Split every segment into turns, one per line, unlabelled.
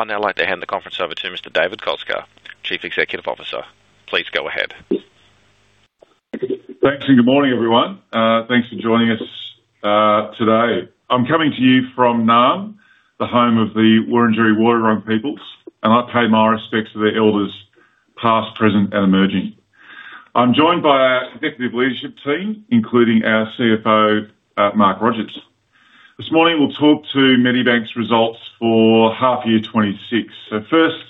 I'd now like to hand the conference over to Mr. David Koczkar, Chief Executive Officer. Please go ahead.
Thanks, and good morning, everyone. Thanks for joining us today. I'm coming to you from Naarm, the home of the Wurundjeri Woi-wurrung peoples, and I pay my respects to the elders, past, present, and emerging. I'm joined by our executive leadership team, including our CFO, Mark Rogers. This morning, we'll talk to Medibank's results for half year 26. First,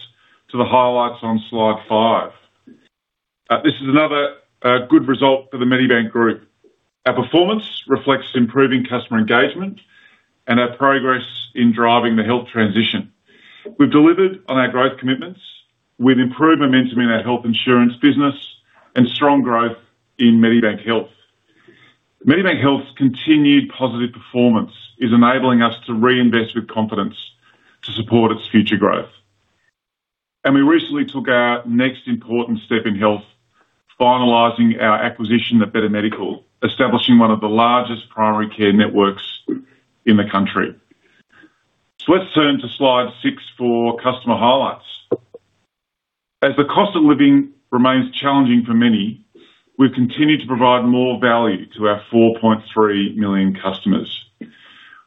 to the highlights on slide five. This is another good result for the Medibank Group. Our performance reflects improving customer engagement and our progress in driving the health transition. We've delivered on our growth commitments with improved momentum in our health insurance business and strong growth in Medibank Health. Medibank Health's continued positive performance is enabling us to reinvest with confidence to support its future growth. We recently took our next important step in health, finalizing our acquisition of Better Medical, establishing one of the largest primary care networks in the country. Let's turn to slide six for customer highlights. As the cost of living remains challenging for many, we've continued to provide more value to our 4.3 million customers.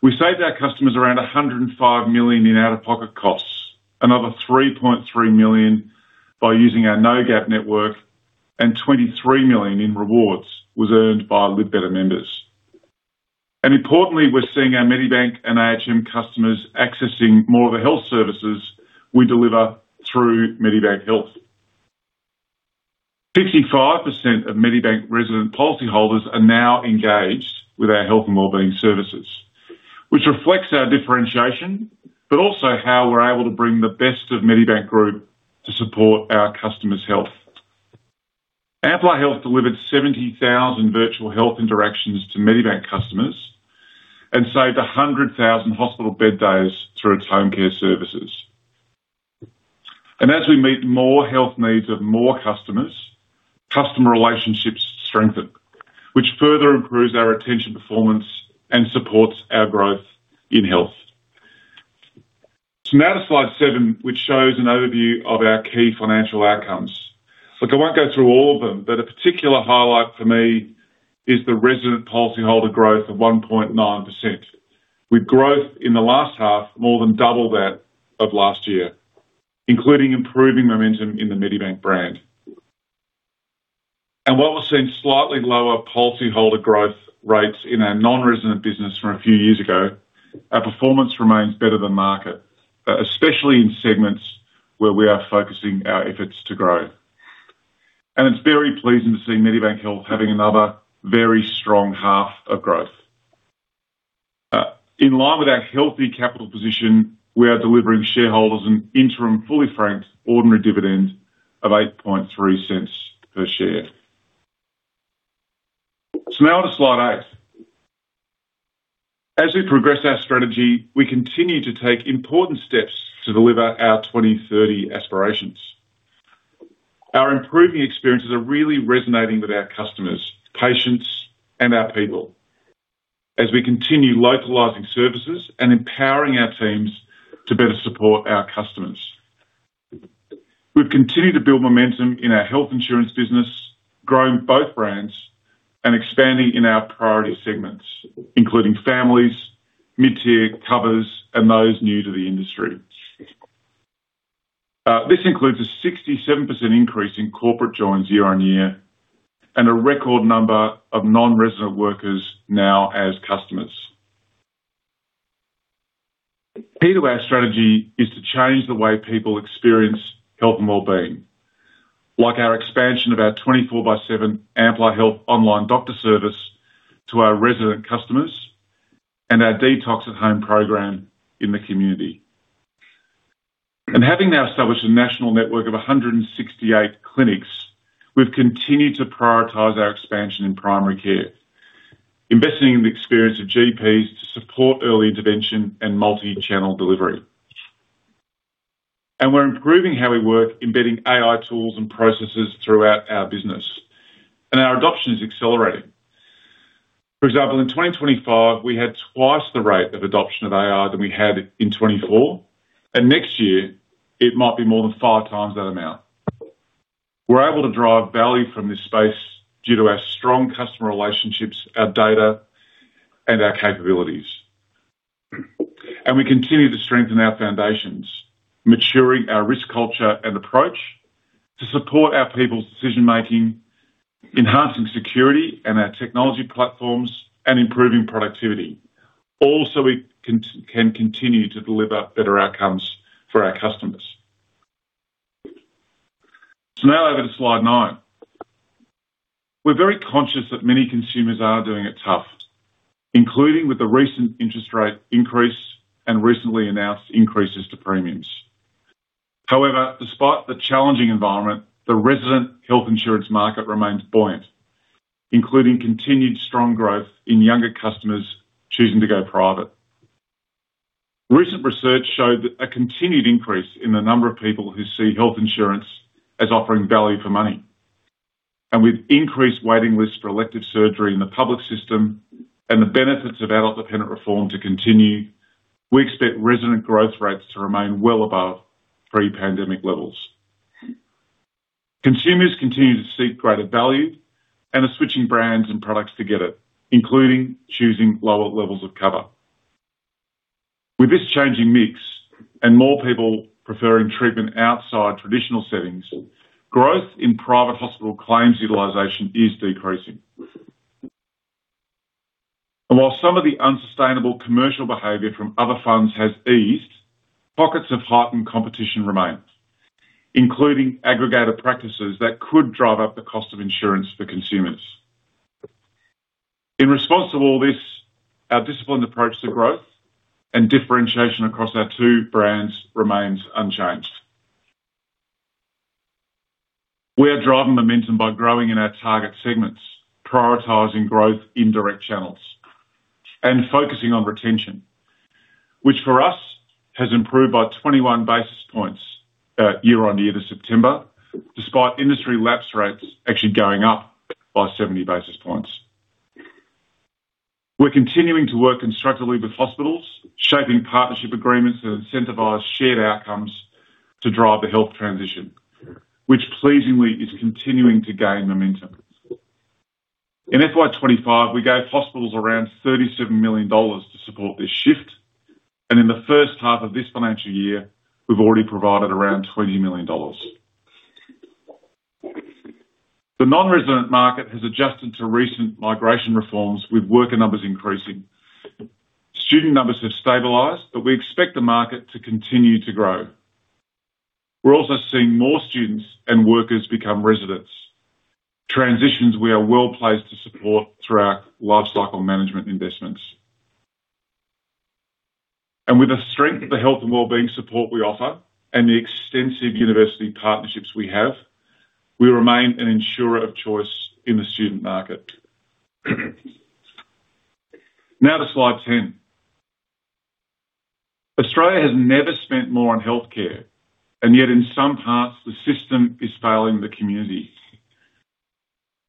We saved our customers around 105 million in out-of-pocket costs, another 3.3 million by using our No-Gap network, and 23 million in rewards was earned by Live Better members. Importantly, we're seeing our Medibank and ahm customers accessing more of the health services we deliver through Medibank Health. 55% of Medibank resident policyholders are now engaged with our health and wellbeing services, which reflects our differentiation, but also how we're able to bring the best of Medibank Group to support our customers' health. Amplar Health delivered 70,000 virtual health interactions to Medibank customers and saved 100,000 hospital bed days through its home care services. As we meet more health needs of more customers, customer relationships strengthen, which further improves our retention performance and supports our growth in health. Now to slide seven, which shows an overview of our key financial outcomes. Look, I won't go through all of them, but a particular highlight for me is the resident policyholder growth of 1.9%, with growth in the last half more than double that of last year, including improving momentum in the Medibank brand. While we're seeing slightly lower policyholder growth rates in our non-resident business from a few years ago, our performance remains better than market, especially in segments where we are focusing our efforts to grow. It's very pleasing to see Medibank Health having another very strong half of growth. In line with our healthy capital position, we are delivering shareholders an interim, fully franked, ordinary dividend of 0.083 per share. Now to slide eight. As we progress our strategy, we continue to take important steps to deliver our 2030 aspirations. Our improving experiences are really resonating with our customers, patients, and our people as we continue localizing services and empowering our teams to better support our customers. We've continued to build momentum in our health insurance business, growing both brands and expanding in our priority segments, including families, mid-tier covers, and those new to the industry. This includes a 67% increase in corporate joins year-over-year, and a record number of non-resident workers now as customers. Key to our strategy is to change the way people experience health and wellbeing, like our expansion of our 24 by seven Amplar Health Online Doctor Service to our resident customers and our Detox at Home program in the community. Having now established a national network of 168 clinics, we've continued to prioritize our expansion in primary care, investing in the experience of GPs to support early intervention and multi-channel delivery. We're improving how we work, embedding AI tools and processes throughout our business, and our adoption is accelerating. For example, in 2025, we had twice the rate of adoption of AI than we had in 2024, and next year it might be more than 5x that amount. We're able to drive value from this space due to our strong customer relationships, our data, and our capabilities. We continue to strengthen our foundations, maturing our risk culture and approach to support our people's decision-making, enhancing security and our technology platforms, and improving productivity. Also, we can continue to deliver better outcomes for our customers. Now over to slide nine. We're very conscious that many consumers are doing it tough, including with the recent interest rate increase and recently announced increases to premiums. However, despite the challenging environment, the resident health insurance market remains buoyant, including continued strong growth in younger customers choosing to go private. Recent research showed that a continued increase in the number of people who see health insurance as offering value for money. With increased waiting lists for elective surgery in the public system and the benefits of adult dependent reform to continue, we expect resident growth rates to remain well above pre-pandemic levels. Consumers continue to seek greater value and are switching brands and products to get it, including choosing lower levels of cover. With this changing mix and more people preferring treatment outside traditional settings, growth in private hospital claims utilization is decreasing. And while some of the unsustainable commercial behavior from other funds has eased, pockets of heightened competition remains, including aggregator practices that could drive up the cost of insurance for consumers. In response to all this, our disciplined approach to growth and differentiation across our two brands remains unchanged. We are driving momentum by growing in our target segments, prioritizing growth in direct channels and focusing on retention, which for us has improved by 21 basis points, year-on-year to September, despite industry lapse rates actually going up by 70 basis points. We're continuing to work constructively with hospitals, shaping partnership agreements that incentivize shared outcomes to drive the health transition, which pleasingly is continuing to gain momentum. In FY 25, we gave hospitals around 37 million dollars to support this shift, and in the first half of this financial year, we've already provided around 20 million dollars. The non-resident market has adjusted to recent migration reforms, with worker numbers increasing. Student numbers have stabilized, but we expect the market to continue to grow. We're also seeing more students and workers become residents. Transitions we are well-placed to support through our lifecycle management investments. With the strength of the health and wellbeing support we offer and the extensive university partnerships we have, we remain an insurer of choice in the student market. Now to slide 10. Australia has never spent more on healthcare, and yet in some parts the system is failing the community.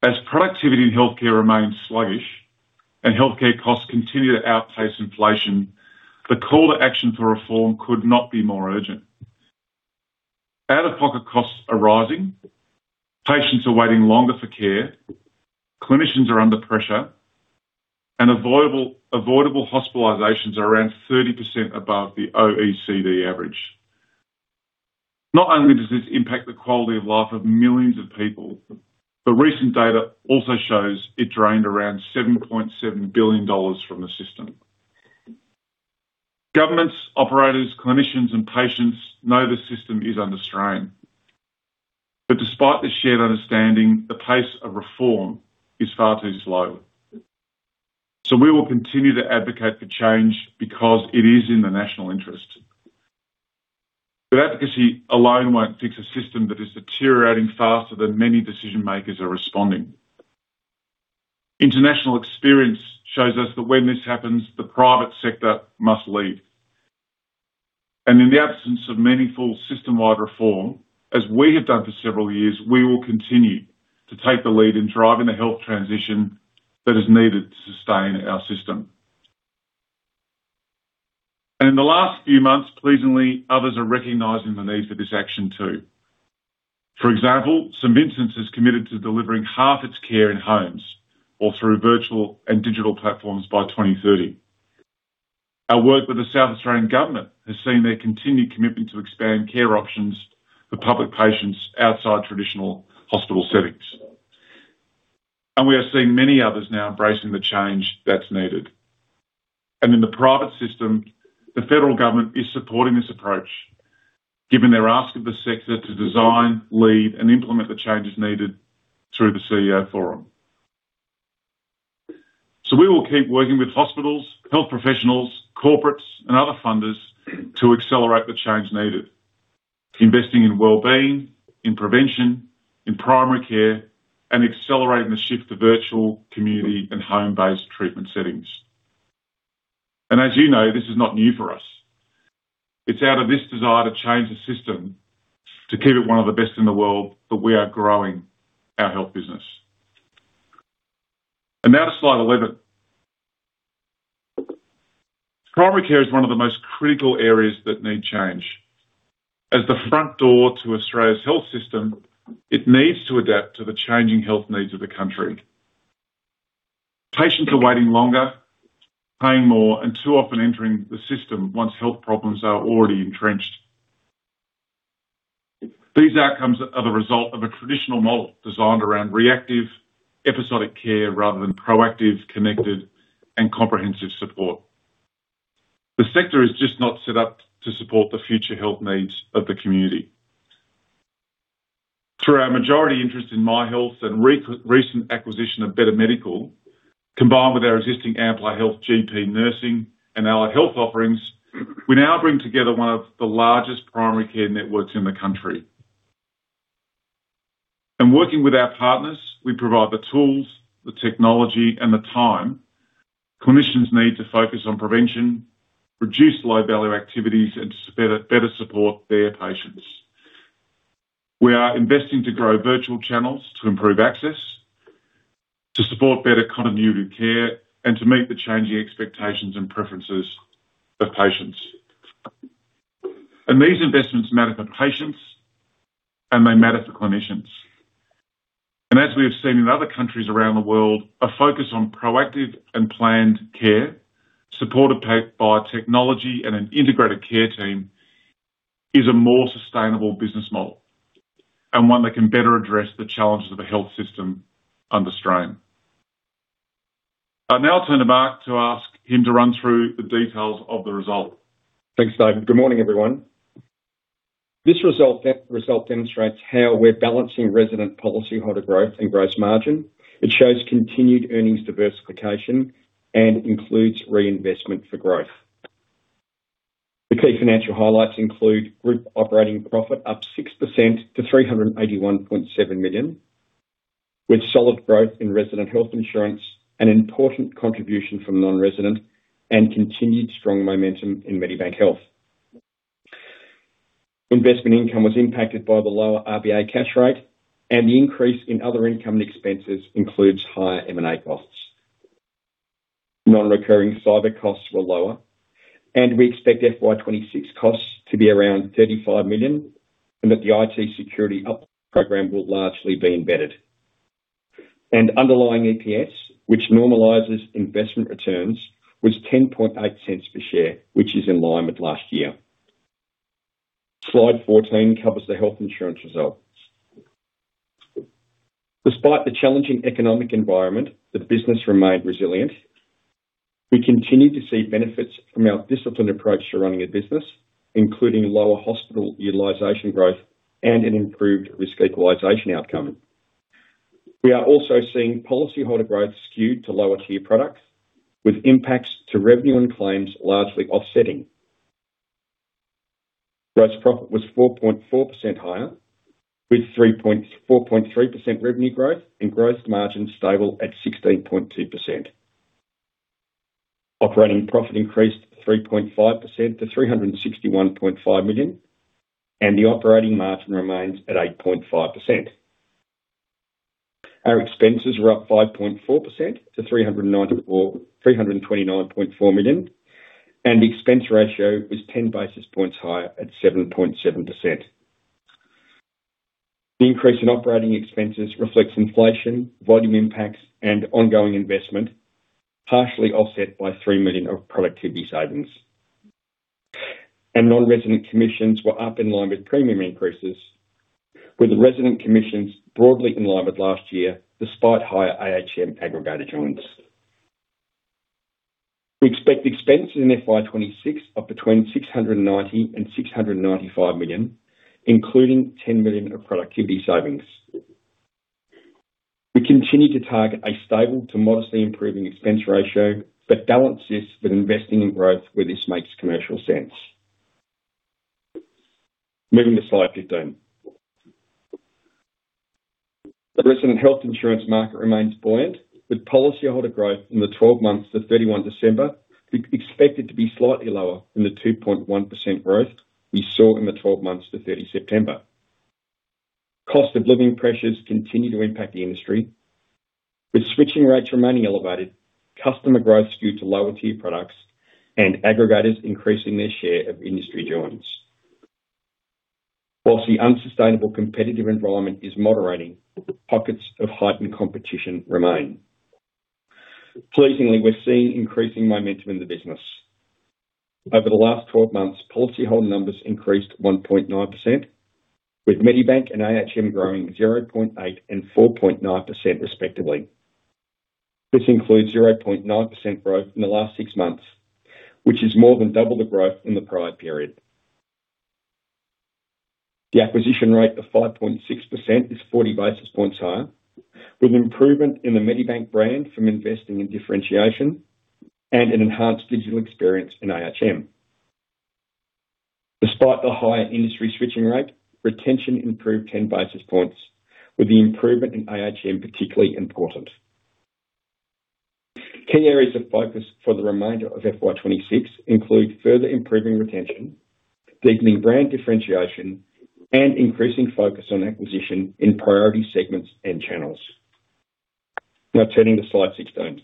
As productivity in healthcare remains sluggish and healthcare costs continue to outpace inflation, the call to action for reform could not be more urgent. Out-of-pocket costs are rising, patients are waiting longer for care, clinicians are under pressure, and avoidable, avoidable hospitalizations are around 30% above the OECD average. Not only does this impact the quality of life of millions of people, but recent data also shows it drained around 7.7 billion dollars from the system. Governments, operators, clinicians, and patients know the system is under strain. But despite this shared understanding, the pace of reform is far too slow. So we will continue to advocate for change because it is in the national interest. But advocacy alone won't fix a system that is deteriorating faster than many decision makers are responding. International experience shows us that when this happens, the private sector must lead, and in the absence of meaningful system-wide reform, as we have done for several years, we will continue to take the lead in driving the health transition that is needed to sustain our system. And in the last few months, pleasingly, others are recognizing the need for this action, too. For example, St Vincent's has committed to delivering half its care in homes or through virtual and digital platforms by 2030. Our work with the South Australian Government has seen their continued commitment to expand care options for public patients outside traditional hospital settings. And we are seeing many others now embracing the change that's needed. In the private system, the federal government is supporting this approach, given their ask of the sector to design, lead, and implement the changes needed through the CEO Forum. We will keep working with hospitals, health professionals, corporates, and other funders to accelerate the change needed, investing in wellbeing, in prevention, in primary care, and accelerating the shift to virtual, community, and home-based treatment settings. As you know, this is not new for us. It's out of this desire to change the system, to keep it one of the best in the world, that we are growing our health business. Now to slide 11. Primary care is one of the most critical areas that need change. As the front door to Australia's health system, it needs to adapt to the changing health needs of the country. Patients are waiting longer, paying more, and too often entering the system once health problems are already entrenched. These outcomes are the result of a traditional model designed around reactive, episodic care rather than proactive, connected, and comprehensive support. The sector is just not set up to support the future health needs of the community. Through our majority interest in Myhealth and recent acquisition of Better Medical, combined with our existing Amplar Health GP nursing and our health offerings, we now bring together one of the largest primary care networks in the country. And working with our partners, we provide the tools, the technology, and the time clinicians need to focus on prevention, reduce low-value activities, and to better support their patients. We are investing to grow virtual channels, to improve access, to support better continuity of care, and to meet the changing expectations and preferences of patients. These investments matter for patients, and they matter for clinicians. As we have seen in other countries around the world, a focus on proactive and planned care, supported by technology and an integrated care team, is a more sustainable business model, and one that can better address the challenges of a health system under strain. I'll now turn to Mark to ask him to run through the details of the result.
Thanks, David. Good morning, everyone. This result demonstrates how we're balancing resident policyholder growth and gross margin. It shows continued earnings diversification and includes reinvestment for growth. The key financial highlights include group operating profit up 6% to 381.7 million, with solid growth in resident health insurance, an important contribution from non-resident, and continued strong momentum in Medibank Health. Investment income was impacted by the lower Reserve Bank of Australia cash rate, and the increase in other income and expenses includes higher M&A costs. Non-recurring cyber costs were lower, and we expect FY 2026 costs to be around 35 million, that the IT security uplift program will largely be embedded. Underlying EPS, which normalizes investment returns, was 10.8 cents per share, which is in line with last year. Slide 14 covers the health insurance results. Despite the challenging economic environment, the business remained resilient. We continue to see benefits from our disciplined approach to running a business, including lower hospital utilization growth and an improved risk equalization outcome. We are also seeing policyholder growth skewed to lower-tier products, with impacts to revenue and claims largely offsetting. Gross profit was 4.4% higher, with 4.3% revenue growth and gross margin stable at 16.2%. Operating profit increased 3.5% to 361.5 million, and the operating margin remains at 8.5%. Our expenses were up 5.4% to 329.4 million, and the expense ratio was 10 basis points higher at 7.7%. The increase in operating expenses reflects inflation, volume impacts, and ongoing investment, partially offset by 3 million of productivity savings. Non-resident commissions were up in line with premium increases, with resident commissions broadly in line with last year, despite higher ahm aggregator joins. We expect expenses in FY 2026 of between 690 million and 695 million, including 10 million of productivity savings. We continue to target a stable to modestly improving expense ratio, but balance this with investing in growth where this makes commercial sense. Moving to slide 15. The resident health insurance market remains buoyant, with policyholder growth in the twelve months to 31 December expected to be slightly lower than the 2.1% growth we saw in the twelve months to 30 September. Cost of living pressures continue to impact the industry, with switching rates remaining elevated, customer growth skewed to lower-tier products, and aggregators increasing their share of industry joins. While the unsustainable competitive environment is moderating, pockets of heightened competition remain. Pleasingly, we're seeing increasing momentum in the business. Over the last 12 months, policyholder numbers increased 1.9%, with Medibank and ahm growing 0.8% and 4.9% respectively. This includes 0.9% growth in the last 6 months, which is more than double the growth in the prior period. The acquisition rate of 5.6% is 40 basis points higher, with improvement in the Medibank brand from investing in differentiation and an enhanced digital experience in ahm. Despite the higher industry switching rate, retention improved 10 basis points, with the improvement in ahm particularly important. Key areas of focus for the remainder of FY 2026 include further improving retention, deepening brand differentiation, and increasing focus on acquisition in priority segments and channels. Now turning to slide 16.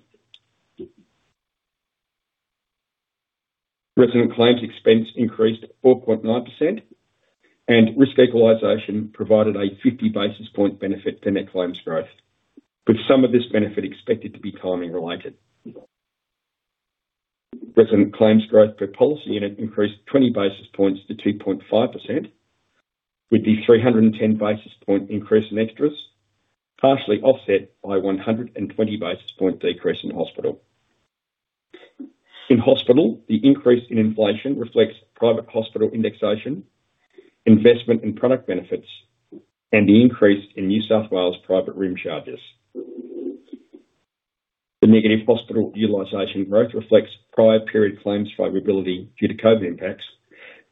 Resident claims expense increased 4.9%, and risk equalization provided a 50 basis point benefit to net claims growth, with some of this benefit expected to be timing-related. Resident claims growth per policy unit increased 20 basis points to 2.5%, with the 310 basis point increase in extras, partially offset by 120 basis point decrease in hospital. In hospital, the increase in inflation reflects private hospital indexation, investment in product benefits, and the increase in New South Wales private room charges. The negative hospital utilization growth reflects prior period claims variability due to COVID impacts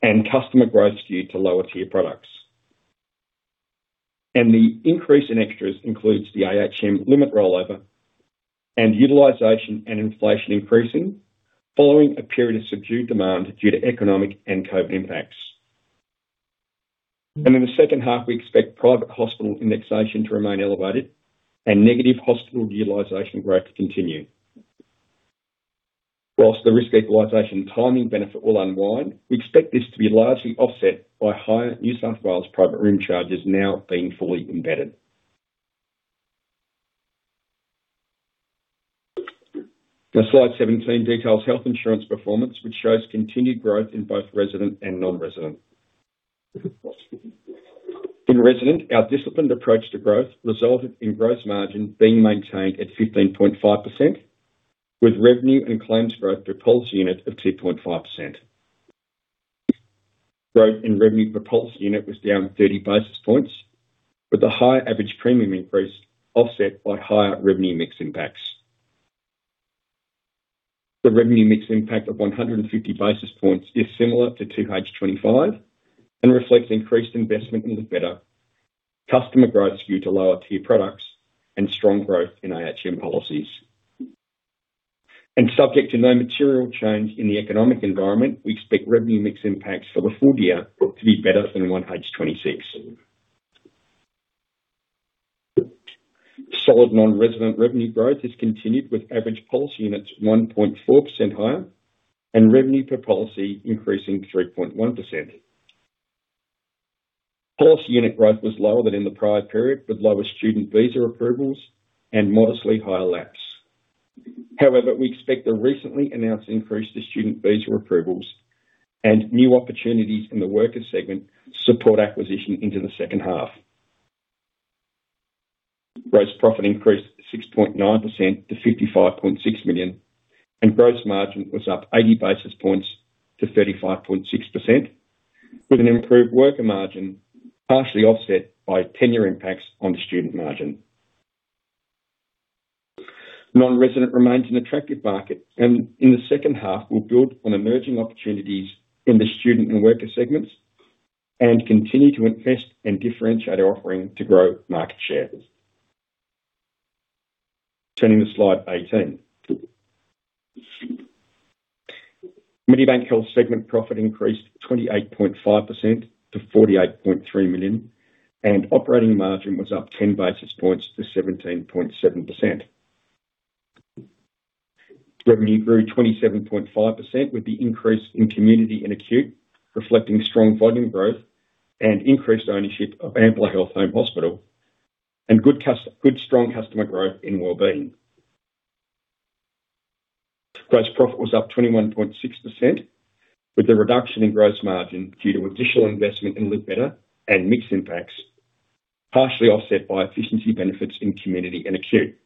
and customer growth skewed to lower-tier products.... The increase in extras includes the ahm limit rollover and utilization and inflation increasing following a period of subdued demand due to economic and COVID impacts. In the second half, we expect private hospital indexation to remain elevated and negative hospital utilization growth to continue. While the risk equalization timing benefit will unwind, we expect this to be largely offset by higher New South Wales private room charges now being fully embedded. Now, slide 17 details health insurance performance, which shows continued growth in both resident and non-resident. In resident, our disciplined approach to growth resulted in gross margin being maintained at 15.5%, with revenue and claims growth per policy unit of 2.5%. Growth in revenue per policy unit was down 30 basis points, with the higher average premium increase offset by higher revenue mix impacts. The revenue mix impact of 150 basis points is similar to 2H25 and reflects increased investment in Live Better, customer growth due to lower tier products, and strong growth in ahm policies. Subject to no material change in the economic environment, we expect revenue mix impacts for the full year to be better than 1H26. Solid non-resident revenue growth has continued, with average policy units 1.4% higher and revenue per policy increasing 3.1%. Policy unit growth was lower than in the prior period, with lower student visa approvals and modestly higher lapse. However, we expect the recently announced increase to student visa approvals and new opportunities in the worker segment support acquisition into the second half. Gross profit increased 6.9% to 55.6 million, and gross margin was up 80 basis points to 35.6%, with an improved worker margin partially offset by tenure impacts on the student margin. Non-resident remains an attractive market, and in the second half, we'll build on emerging opportunities in the student and worker segments and continue to invest and differentiate our offering to grow market share. Turning to slide 18. Medibank Health segment profit increased 28.5% to 48.3 million, and operating margin was up 10 basis points to 17.7%. Revenue grew 27.5%, with the increase in community and acute reflecting strong volume growth and increased ownership of Amplar Health Home Hospital, and good, strong customer growth in wellbeing. Gross profit was up 21.6%, with a reduction in gross margin due to additional investment in Live Better and mix impacts, partially offset by efficiency benefits in community and acute.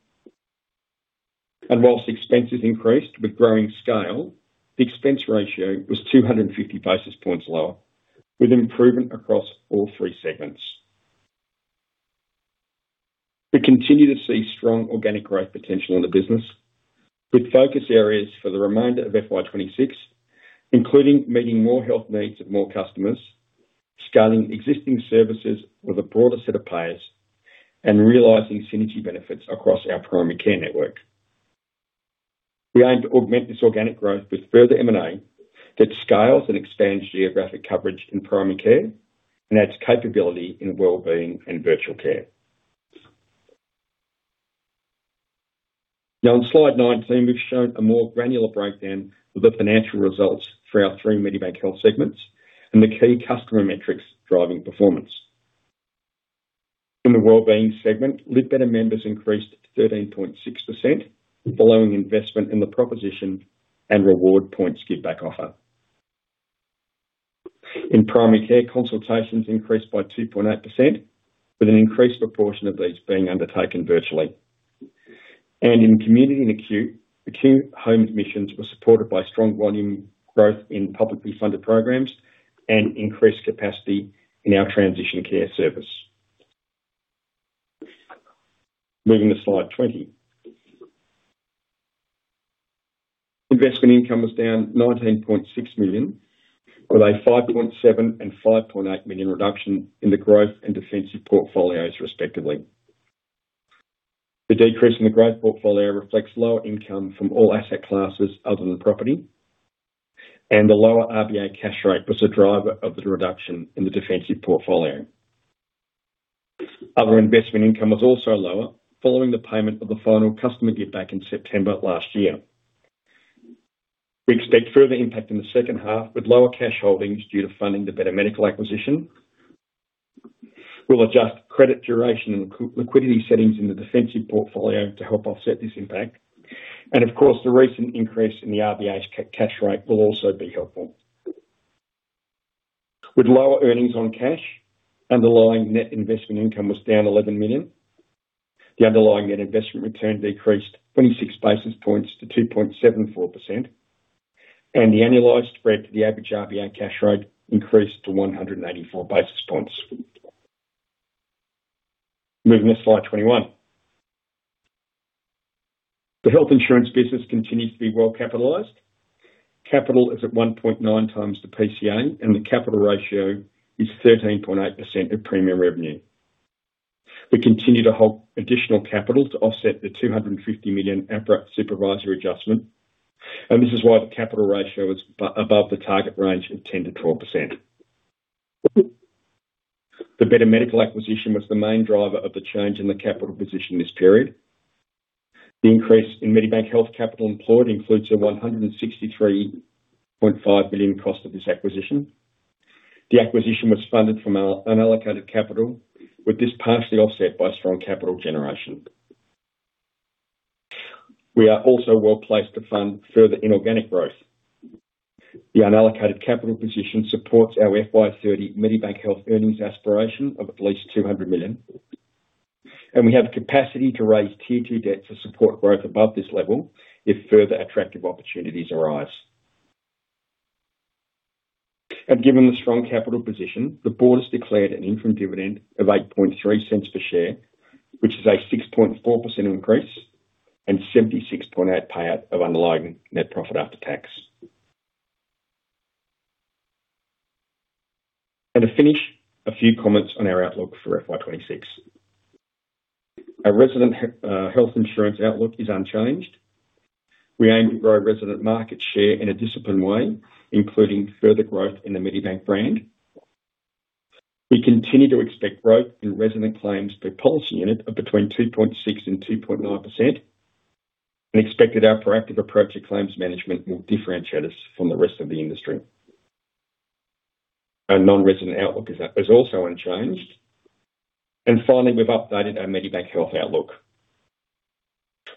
Whilst expenses increased with growing scale, the expense ratio was 250 basis points lower, with improvement across all three segments. We continue to see strong organic growth potential in the business, with focus areas for the remainder of FY 2026, including meeting more health needs of more customers, scaling existing services with a broader set of payers, and realizing synergy benefits across our primary care network. We aim to augment this organic growth with further M&A that scales and expands geographic coverage in primary care and adds capability in wellbeing and virtual care. Now, on slide 19, we've shown a more granular breakdown of the financial results for our three Medibank Health segments and the key customer metrics driving performance. In the Wellbeing segment, Live Better members increased to 13.6%, following investment in the proposition and reward points giveback offer. In primary care, consultations increased by 2.8%, with an increased proportion of these being undertaken virtually. And in community and acute, acute home admissions were supported by strong volume growth in publicly funded programs and increased capacity in our transition care service. Moving to slide 20. Investment income was down 19.6 million, with a 5.7 and 5.8 million reduction in the growth and defensive portfolios, respectively. The decrease in the growth portfolio reflects lower income from all asset classes other than property, and the lower RBA cash rate was a driver of the reduction in the defensive portfolio. Other investment income was also lower following the payment of the final customer giveback in September last year. We expect further impact in the second half, with lower cash holdings due to funding the Better Medical acquisition. We'll adjust credit duration and liquidity settings in the defensive portfolio to help offset this impact. Of course, the recent increase in the RBA's cash rate will also be helpful. With lower earnings on cash, underlying net investment income was down 11 million. The underlying net investment return decreased 26 basis points to 2.74%, and the annualized spread to the average RBA cash rate increased to 184 basis points. Moving to slide 21. The health insurance business continues to be well capitalized. Capital is at 1.9 times the PCA, and the capital ratio is 13.8% of premium revenue. We continue to hold additional capital to offset the 250 million APRA supervisory adjustment, and this is why the capital ratio is above the target range of 10%-12%. The Better Medical acquisition was the main driver of the change in the capital position this period. The increase in Medibank Health capital employed includes a 163.5 billion cost of this acquisition. The acquisition was funded from our unallocated capital, with this partially offset by strong capital generation. We are also well placed to fund further inorganic growth. The unallocated capital position supports our FY 2030 Medibank Health earnings aspiration of at least 200 million, and we have capacity to raise Tier Two Debt to support growth above this level, if further attractive opportunities arise. Given the strong capital position, the board has declared an interim dividend of 0.083 per share, which is a 6.4% increase and 76.8% payout of underlying net profit after tax. To finish, a few comments on our outlook for FY 2026. Our resident health insurance outlook is unchanged. We aim to grow resident market share in a disciplined way, including further growth in the Medibank brand. We continue to expect growth in resident claims per policy unit of between 2.6% and 2.9%, and expected our proactive approach to claims management will differentiate us from the rest of the industry. Our non-resident outlook is also unchanged. And finally, we've updated our Medibank Health outlook.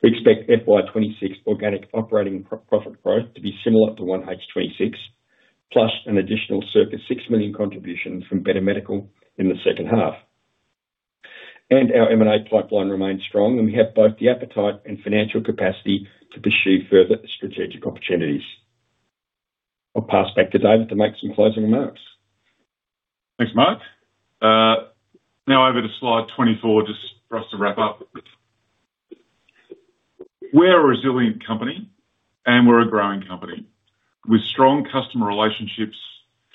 We expect FY 2026 organic operating profit growth to be similar to 1H 2026, plus an additional circa 6 million contribution from Better Medical in the second half. And our M&A pipeline remains strong, and we have both the appetite and financial capacity to pursue further strategic opportunities. I'll pass back to David to make some closing remarks.
Thanks, Mark. Now over to slide 24, just for us to wrap up. We're a resilient company, and we're a growing company with strong customer relationships,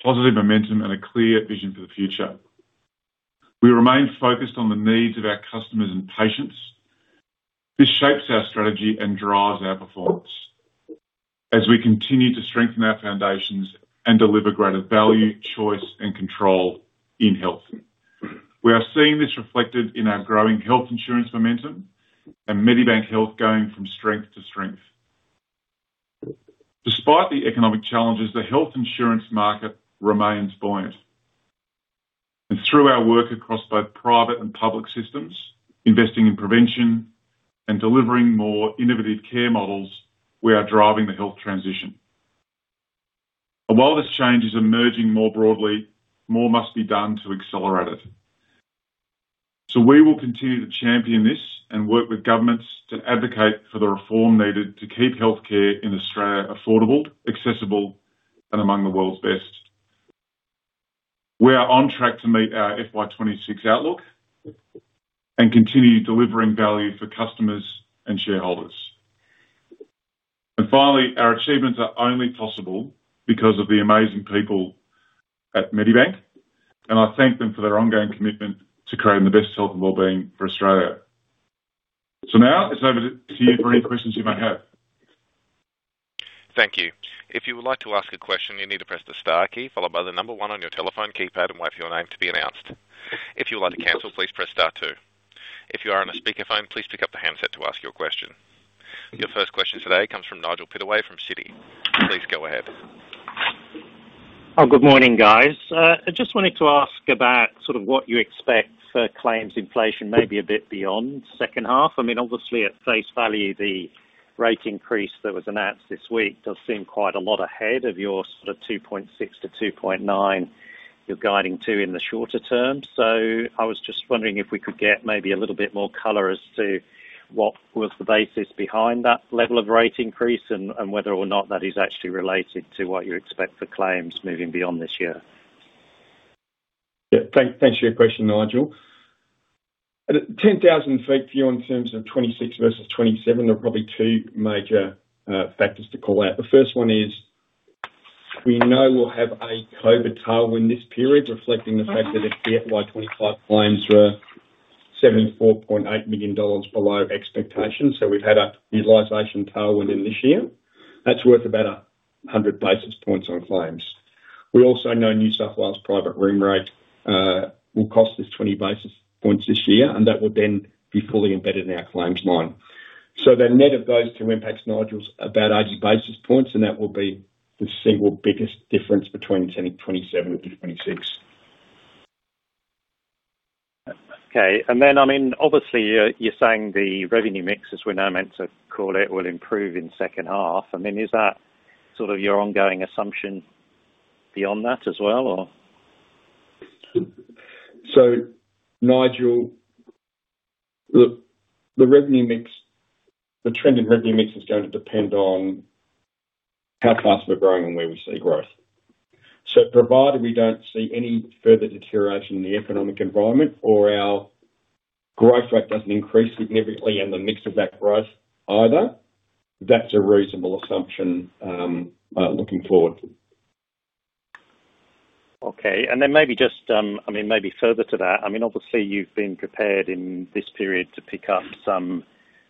positive momentum, and a clear vision for the future. We remain focused on the needs of our customers and patients. This shapes our strategy and drives our performance as we continue to strengthen our foundations and deliver greater value, choice, and control in health. We are seeing this reflected in our growing health insurance momentum and Medibank Health going from strength to strength. Despite the economic challenges, the health insurance market remains buoyant, and through our work across both private and public systems, investing in prevention and delivering more innovative care models, we are driving the health transition. While this change is emerging more broadly, more must be done to accelerate it. So we will continue to champion this and work with governments to advocate for the reform needed to keep healthcare in Australia affordable, accessible, and among the world's best. We are on track to meet our FY 26 outlook and continue delivering value for customers and shareholders. And finally, our achievements are only possible because of the amazing people at Medibank, and I thank them for their ongoing commitment to creating the best health and wellbeing for Australia. So now it's over to you for any questions you may have.
Thank you. If you would like to ask a question, you need to press the star key followed by the number one on your telephone keypad, and wait for your name to be announced. If you would like to cancel, please press star two. If you are on a speakerphone, please pick up the handset to ask your question. Your first question today comes from Nigel Pittaway from Citi. Please go ahead.
Oh, good morning, guys. I just wanted to ask about sort of what you expect for claims inflation, maybe a bit beyond second half. I mean, obviously, at face value, the rate increase that was announced this week does seem quite a lot ahead of your sort of 2.6%-2.9% you're guiding to in the shorter term. So I was just wondering if we could get maybe a little bit more color as to what was the basis behind that level of rate increase and whether or not that is actually related to what you expect for claims moving beyond this year.
Yeah. Thank, thanks for your question, Nigel. At 10,000-foot view, in terms of 26 versus 27, there are probably two major factors to call out. The first one is, we know we'll have a COVID tailwind this period, reflecting the fact that the FY 2025 claims were 74.8 million dollars below expectations. So we've had a utilization tailwind in this year. That's worth about 100 basis points on claims. We also know New South Wales private room rate will cost us 20 basis points this year, and that will then be fully embedded in our claims line. So the net of those two impacts, Nigel, is about 80 basis points, and that will be the single biggest difference between 27 and 26.
Okay. And then, I mean, obviously, you're saying the revenue mixes, we're now meant to call it, will improve in second half. I mean, is that sort of your ongoing assumption beyond that as well, or?
So Nigel, look, the revenue mix, the trend in revenue mix is going to depend on how fast we're growing and where we see growth. So provided we don't see any further deterioration in the economic environment or our growth rate doesn't increase significantly and the mix of that growth either, that's a reasonable assumption looking forward.
Okay. And then maybe just, I mean, maybe further to that, I mean, obviously you've been prepared in this period to pick up some,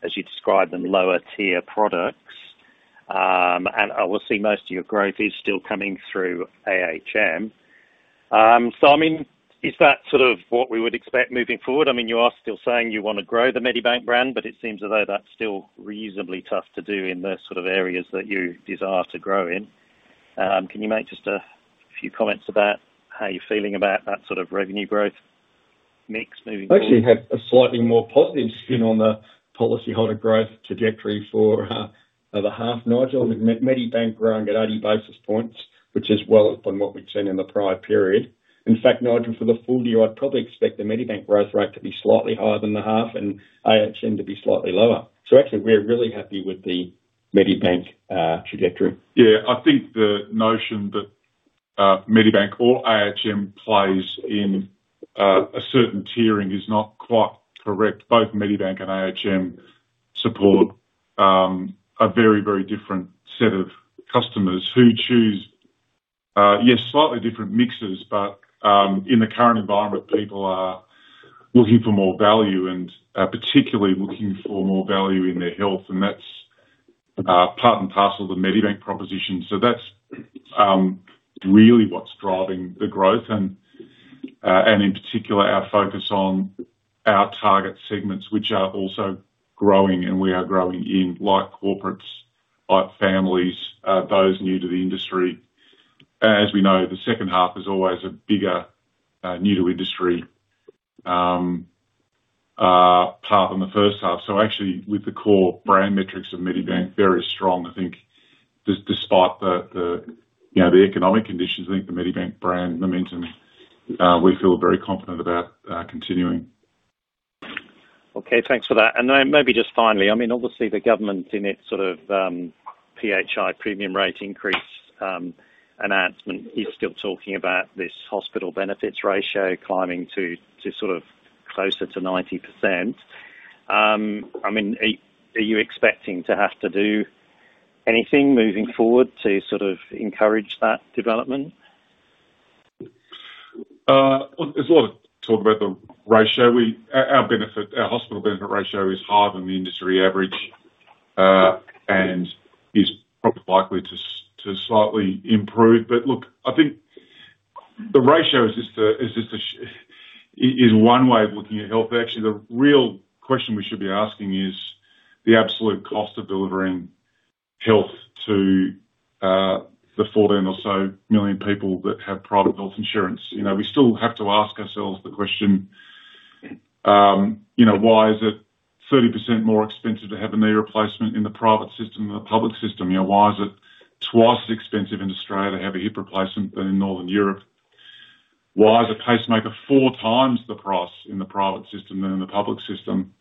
as you describe them, lower tier products. And I can see most of your growth is still coming through ahm. So I mean, is that sort of what we would expect moving forward? I mean, you are still saying you wanna grow the Medibank brand, but it seems as though that's still reasonably tough to do in the sort of areas that you desire to grow in. Can you make just a few comments about how you're feeling about that sort of revenue growth mix moving forward?
I actually had a slightly more positive spin on the policyholder growth trajectory for the half, Nigel. With Medibank growing at 80 basis points, which is well upon what we'd seen in the prior period. In fact, Nigel, for the full year, I'd probably expect the Medibank growth rate to be slightly higher than the half, and ahm to be slightly lower. So actually, we're really happy with the Medibank trajectory.
Yeah, I think the notion that, Medibank or ahm plays in, a certain tiering is not quite correct. Both Medibank and ahm support, a very, very different set of customers who choose, yes, slightly different mixes, but, in the current environment, people are looking for more value and, particularly looking for more value in their health, and that's, part and parcel of the Medibank proposition. So that's, really what's driving the growth and, and in particular, our focus on our target segments, which are also growing, and we are growing in, like corporates, like families, those new to the industry. As we know, the second half is always a bigger, new to industry, path than the first half. So actually, with the core brand metrics of Medibank very strong, I think despite the, you know, the economic conditions, I think the Medibank brand momentum, we feel very confident about continuing.
Okay, thanks for that. And then maybe just finally, I mean, obviously the government in its sort of PHI premium rate increase announcement is still talking about this hospital benefits ratio climbing to sort of closer to 90%. I mean, are you expecting to have to do anything moving forward to sort of encourage that development?
Well, there's a lot of talk about the ratio. Our benefit, our hospital benefit ratio is higher than the industry average, and is probably likely to slightly improve. But look, I think the ratio is just one way of looking at health. Actually, the real question we should be asking is the absolute cost of delivering health to the 14 or so million people that have private health insurance. You know, we still have to ask ourselves the question, you know, why is it 30% more expensive to have a knee replacement in the private system than the public system? You know, why is it twice as expensive in Australia to have a hip replacement than in Northern Europe? Why is a pacemaker 4x the price in the private system than in the public system?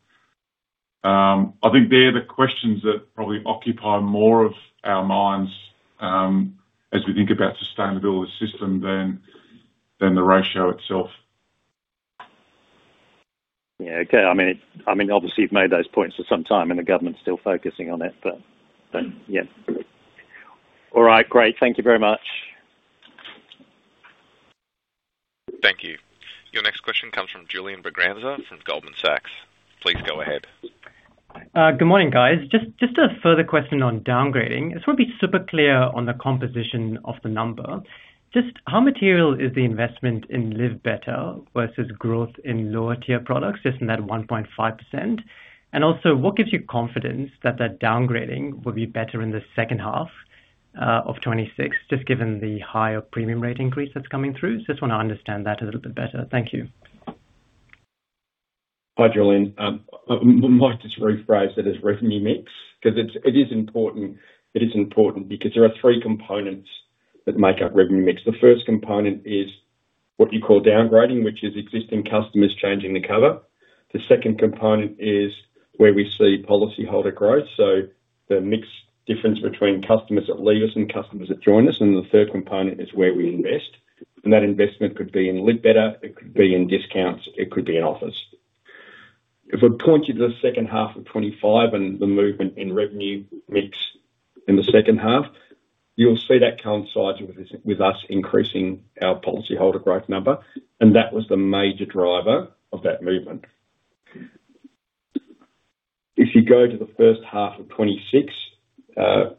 I think they're the questions that probably occupy more of our minds, as we think about sustainability of the system than the ratio itself.
Yeah. Okay. I mean, I mean, obviously, you've made those points for some time, and the government's still focusing on it, but, but yeah. All right. Great. Thank you very much.
Thank you. Your next question comes from Julian Braganza from Goldman Sachs. Please go ahead.
Good morning, guys. Just, just a further question on downgrading. I just want to be super clear on the composition of the number. Just how material is the investment in Live Better versus growth in lower tier products? Just in that 1.5%. And also, what gives you confidence that the downgrading will be better in the second half of 2026, just given the higher premium rate increase that's coming through? Just want to understand that a little bit better. Thank you.
Hi, Julian. I might just rephrase it as revenue mix, 'cause it's, it is important. It is important because there are three components that make up revenue mix. The first component is what you call downgrading, which is existing customers changing the cover. The second component is where we see policyholder growth, so the mix difference between customers that leave us and customers that join us, and the third component is where we invest. And that investment could be in Live Better, it could be in discounts, it could be in offers. If I point you to the second half of 25 and the movement in revenue mix in the second half, you'll see that coincides with us, with us increasing our policyholder growth number, and that was the major driver of that movement. If you go to the first half of 2026,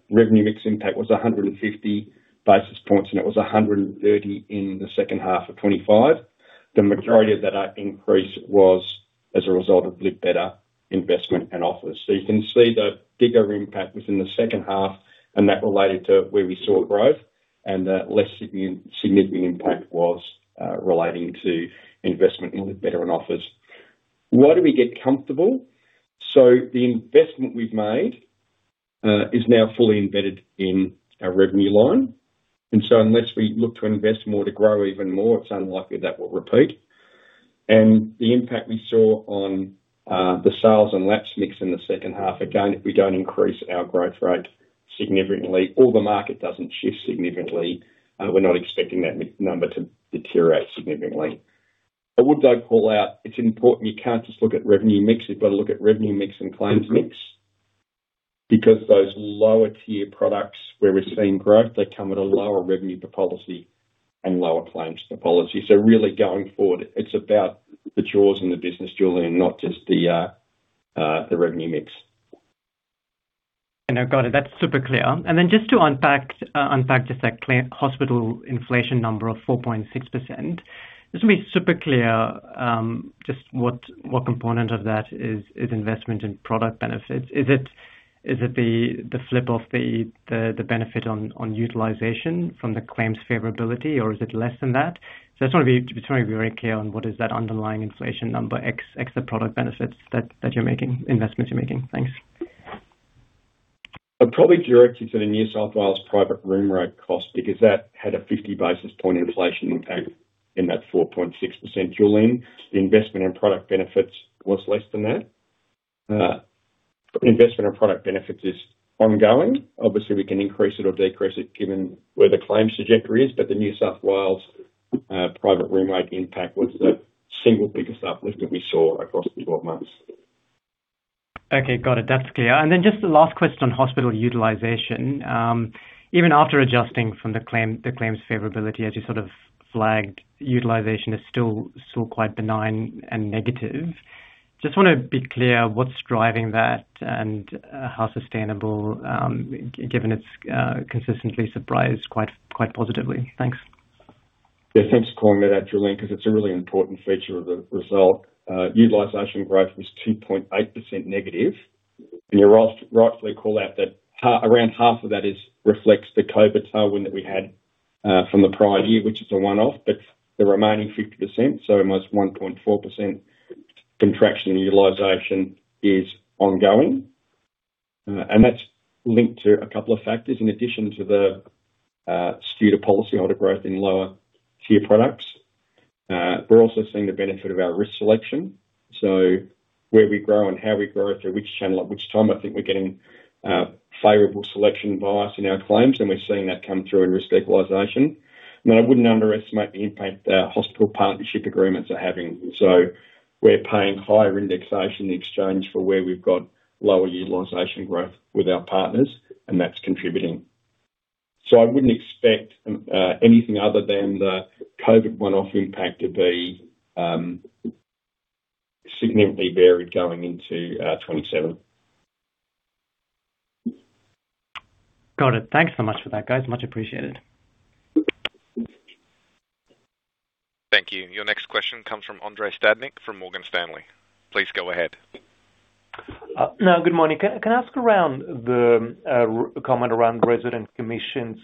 revenue mix impact was 150 basis points, and it was 130 in the second half of 2025. The majority of that increase was as a result of Live Better investment and offers. So you can see the bigger impact within the second half, and that related to where we saw growth, and the less significant impact was relating to investment in Live Better and offers. Why do we get comfortable? So the investment we've made is now fully embedded in our revenue line, and so unless we look to invest more to grow even more, it's unlikely that will repeat. And the impact we saw on the sales and lapse mix in the second half, again, if we don't increase our growth rate significantly or the market doesn't shift significantly, we're not expecting that m- number to deteriorate significantly. I would, though, call out, it's important, you can't just look at revenue mix. You've got to look at revenue mix and claims mix, because those lower tier products where we're seeing growth, they come at a lower revenue per policy and lower claims to policy. So really going forward, it's about the jaws in the business, Julian, not just the, the revenue mix.
And I got it. That's super clear. And then just to unpack just that hospital inflation number of 4.6%, just to be super clear, just what component of that is investment in product benefits? Is it the flip of the benefit on utilization from the claims favorability, or is it less than that? So I just want to be very clear on what is that underlying inflation number, ex the product benefits that you're making investments you're making. Thanks.
I'd probably direct you to the New South Wales private room rate cost, because that had a 50 basis point inflation impact in that 4.6%, Julian. The investment in product benefits was less than that. Investment in product benefits is ongoing. Obviously, we can increase it or decrease it given where the claims trajectory is, but the New South Wales private room rate impact was the single biggest uplift that we saw across the 12 months.
Okay, got it. That's clear. And then just the last question on hospital utilization. Even after adjusting from the claim, the claims favorability, as you sort of flagged, utilization is still quite benign and negative. Just want to be clear, what's driving that and how sustainable, given it's consistently surprised quite positively. Thanks.
Yeah, thanks for calling that out, Julian, because it's a really important feature of the result. Utilization growth was 2.8% negative. And you're right, rightfully call out that around half of that reflects the COVID tailwind that we had from the prior year, which is a one-off, but the remaining 50%, so almost 1.4% contraction in utilization, is ongoing. And that's linked to a couple of factors. In addition to the skewed policyholder growth in lower tier products, we're also seeing the benefit of our risk selection. So where we grow and how we grow it, through which channel at which time, I think we're getting favorable selection bias in our claims, and we're seeing that come through in risk equalization. And I wouldn't underestimate the impact that our hospital partnership agreements are having. So we're paying higher indexation in exchange for where we've got lower utilization growth with our partners, and that's contributing. So I wouldn't expect anything other than the COVID one-off impact to be significantly varied going into 2027.
Got it. Thanks so much for that, guys. Much appreciated.
Thank you. Your next question comes from Andrei Stadnik, from Morgan Stanley. Please go ahead.
Now, good morning. Can I ask around the comment around resident commissions,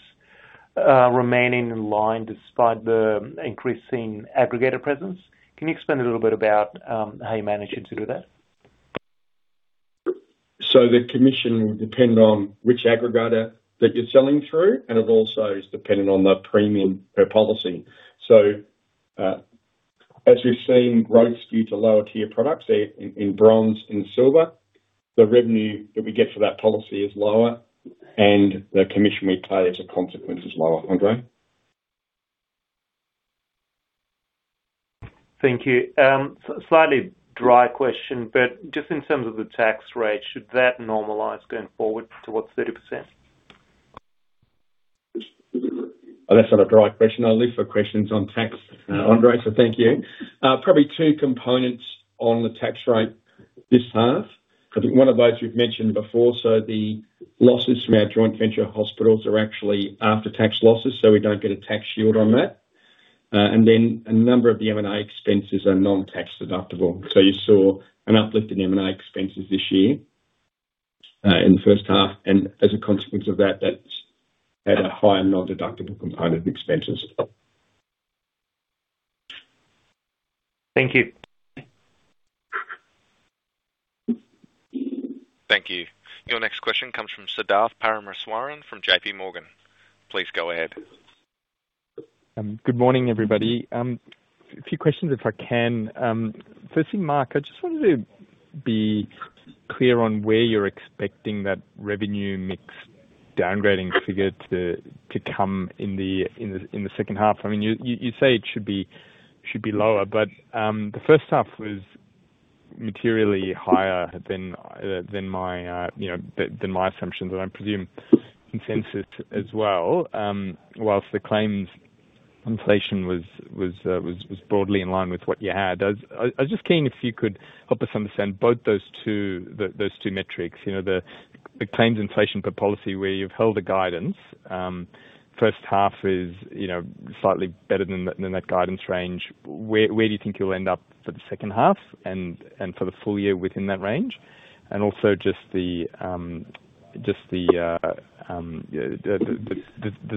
remaining in line despite the increasing aggregator presence? Can you explain a little bit about how you managed to do that?
So the commission will depend on which aggregator that you're selling through, and it also is dependent on the premium per policy. So, as we've seen growth skew to lower tier products in Bronze and Silver, the revenue that we get for that policy is lower, and the commission we pay as a consequence is lower, Andrei.
Thank you. Slightly dry question, but just in terms of the tax rate, should that normalize going forward towards 30%?
Well, that's not a dry question. I live for questions on tax, Andrei, so thank you. Probably two components on the tax rate this half. I think one of those we've mentioned before, so the losses from our joint venture hospitals are actually after-tax losses, so we don't get a tax shield on that. And then a number of the M&A expenses are non-tax deductible. So you saw an uplift in M&A expenses this year, in the first half, and as a consequence of that, that's had a higher non-deductible component of expenses.
Thank you.
Thank you. Your next question comes from Siddharth Parameswaran from JPMorgan. Please go ahead.
Good morning, everybody. A few questions, if I can. Firstly, Mark, I just wanted to be clear on where you're expecting that revenue mix downgrading figure to come in the second half. I mean, you say it should be lower, but the first half was materially higher than my, you know, than my assumptions, and I presume consensus as well. Whilst the claims inflation was broadly in line with what you had. I was just keen if you could help us understand both those two metrics, you know, the claims inflation per policy where you've held the guidance. First half is, you know, slightly better than that guidance range. Where do you think you'll end up for the second half and for the full year within that range? And also just the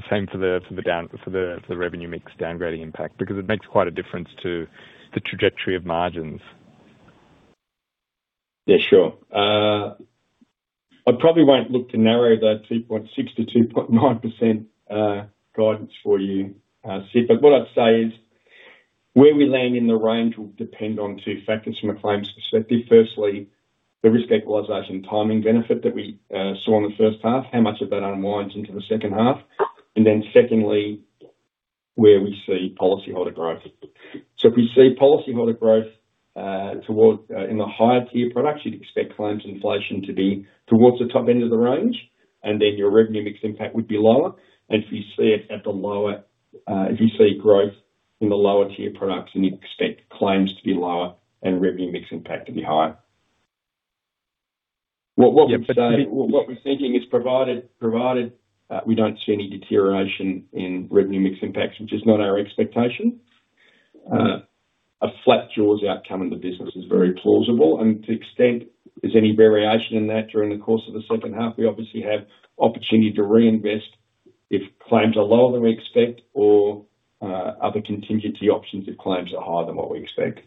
same for the revenue mix downgrading impact, because it makes quite a difference to the trajectory of margins.
Yeah, sure. I probably won't look to narrow that 2.6%-2.9% guidance for you, Sid, but what I'd say is, where we land in the range will depend on two factors from a claims perspective. Firstly, the risk equalization timing benefit that we saw in the first half, how much of that unwinds into the second half? And then secondly, where we see policyholder growth. So if we see policyholder growth towards in the higher tier products, you'd expect claims inflation to be towards the top end of the range, and then your revenue mix impact would be lower. And if you see it at the lower, if you see growth in the lower tier products, then you'd expect claims to be lower and revenue mix impact to be higher. Well, what we're saying, what we're thinking is provided we don't see any deterioration in revenue mix impacts, which is not our expectation, a flat jaws outcome in the business is very plausible, and to the extent there's any variation in that during the course of the second half, we obviously have opportunity to reinvest if claims are lower than we expect or other contingency options if claims are higher than what we expect.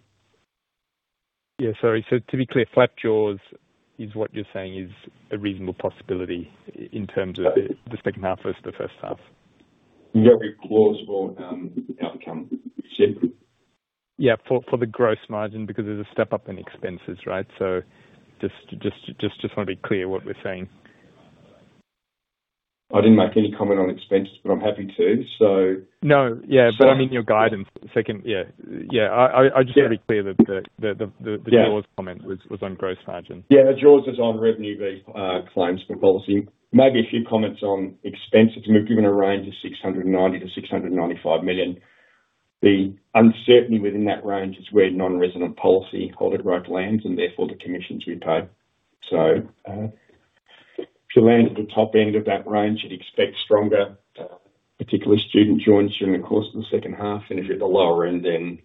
Yeah, sorry. So to be clear, flat jaws is what you're saying is a reasonable possibility in terms of the second half versus the first half?
Very plausible, outcome, Sid.
Yeah, for the gross margin, because there's a step up in expenses, right? So just want to be clear what we're saying.
I didn't make any comment on expenses, but I'm happy to. So-
No. Yeah, but I mean, your guidance second... Yeah. Yeah, I just want to be clear that the jaws comment was on gross margins.
Yeah, the focus is on revenue, the claims per policy. Maybe a few comments on expenses, and we've given a range of 690 million-695 million. The uncertainty within that range is where non-resident policyholder growth lands and therefore the commissions we've paid. So, if you land at the top end of that range, you'd expect stronger particular student joins during the course of the second half, and if you're at the lower end, then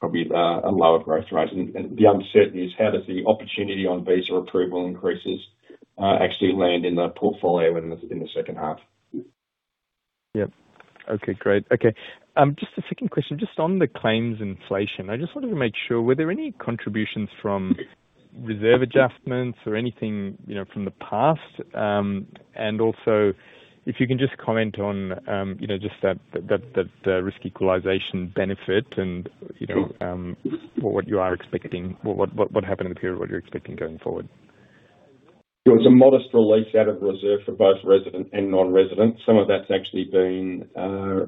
probably a lower growth rate. And the uncertainty is how does the opportunity on visa approval increases actually land in the portfolio in the second half?
Yep. Okay, great. Okay, just a second question. Just on the claims inflation, I just wanted to make sure, were there any contributions from reserve adjustments or anything, you know, from the past? And also, if you can just comment on, you know, just that risk equalization benefit and, you know, what happened in the period, what you're expecting going forward.
There was a modest release out of reserve for both resident and non-resident. Some of that's actually been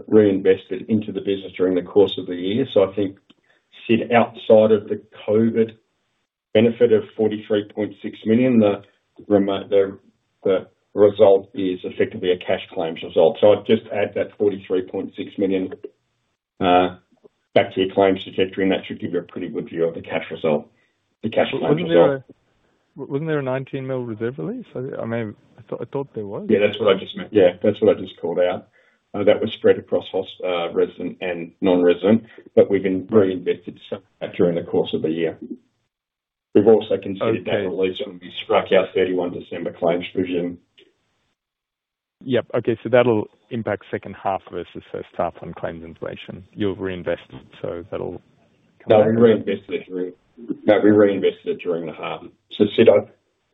reinvested into the business during the course of the year. So I think, Sid, outside of the COVID benefit of 43.6 million, the result is effectively a cash claims result. So I'd just add that 43.6 million back to your claims trajectory, and that should give you a pretty good view of the cash result, the cash claims result.
Wasn't there a 19 million reserve release? I mean, I thought there was.
Yeah, that's what I just meant. Yeah, that's what I just called out. That was spread across hospital, resident and non-resident, but we've reinvested during the course of the year. We've also considered that release when we struck our 31 December claims provision.
Yep. Okay, so that'll impact second half versus first half on claims inflation. You've reinvested, so that'll-
No, we reinvested it during... No, we reinvested it during the half. So, Sadaf, I've,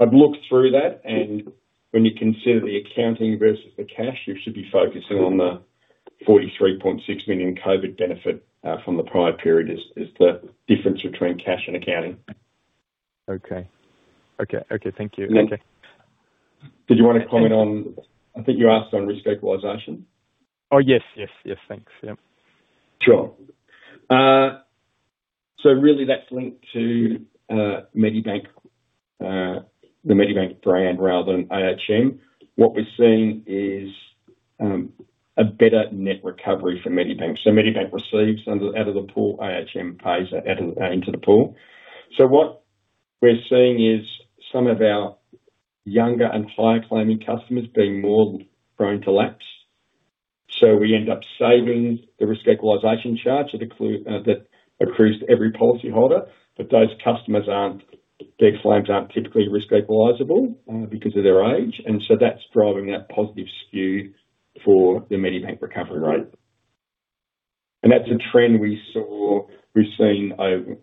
I've looked through that, and when you consider the accounting versus the cash, you should be focusing on the 43.6 million COVID benefit from the prior period is, is the difference between cash and accounting.
Okay. Okay, okay. Thank you. Okay.
Did you want to comment on, I think you asked on Risk Equalization?
Oh, yes, yes, yes. Thanks. Yep.
Sure. So really, that's linked to Medibank, the Medibank brand rather than ahm. What we're seeing is a better net recovery for Medibank. So Medibank receives under out of the pool, ahm pays out of, into the pool. So what we're seeing is some of our younger and higher claiming customers being more prone to lapse. So we end up saving the risk equalization charge that accrues to every policyholder, but those customers aren't their claims aren't typically risk equalizable because of their age, and so that's driving that positive skew for the Medibank recovery rate. And that's a trend we've seen.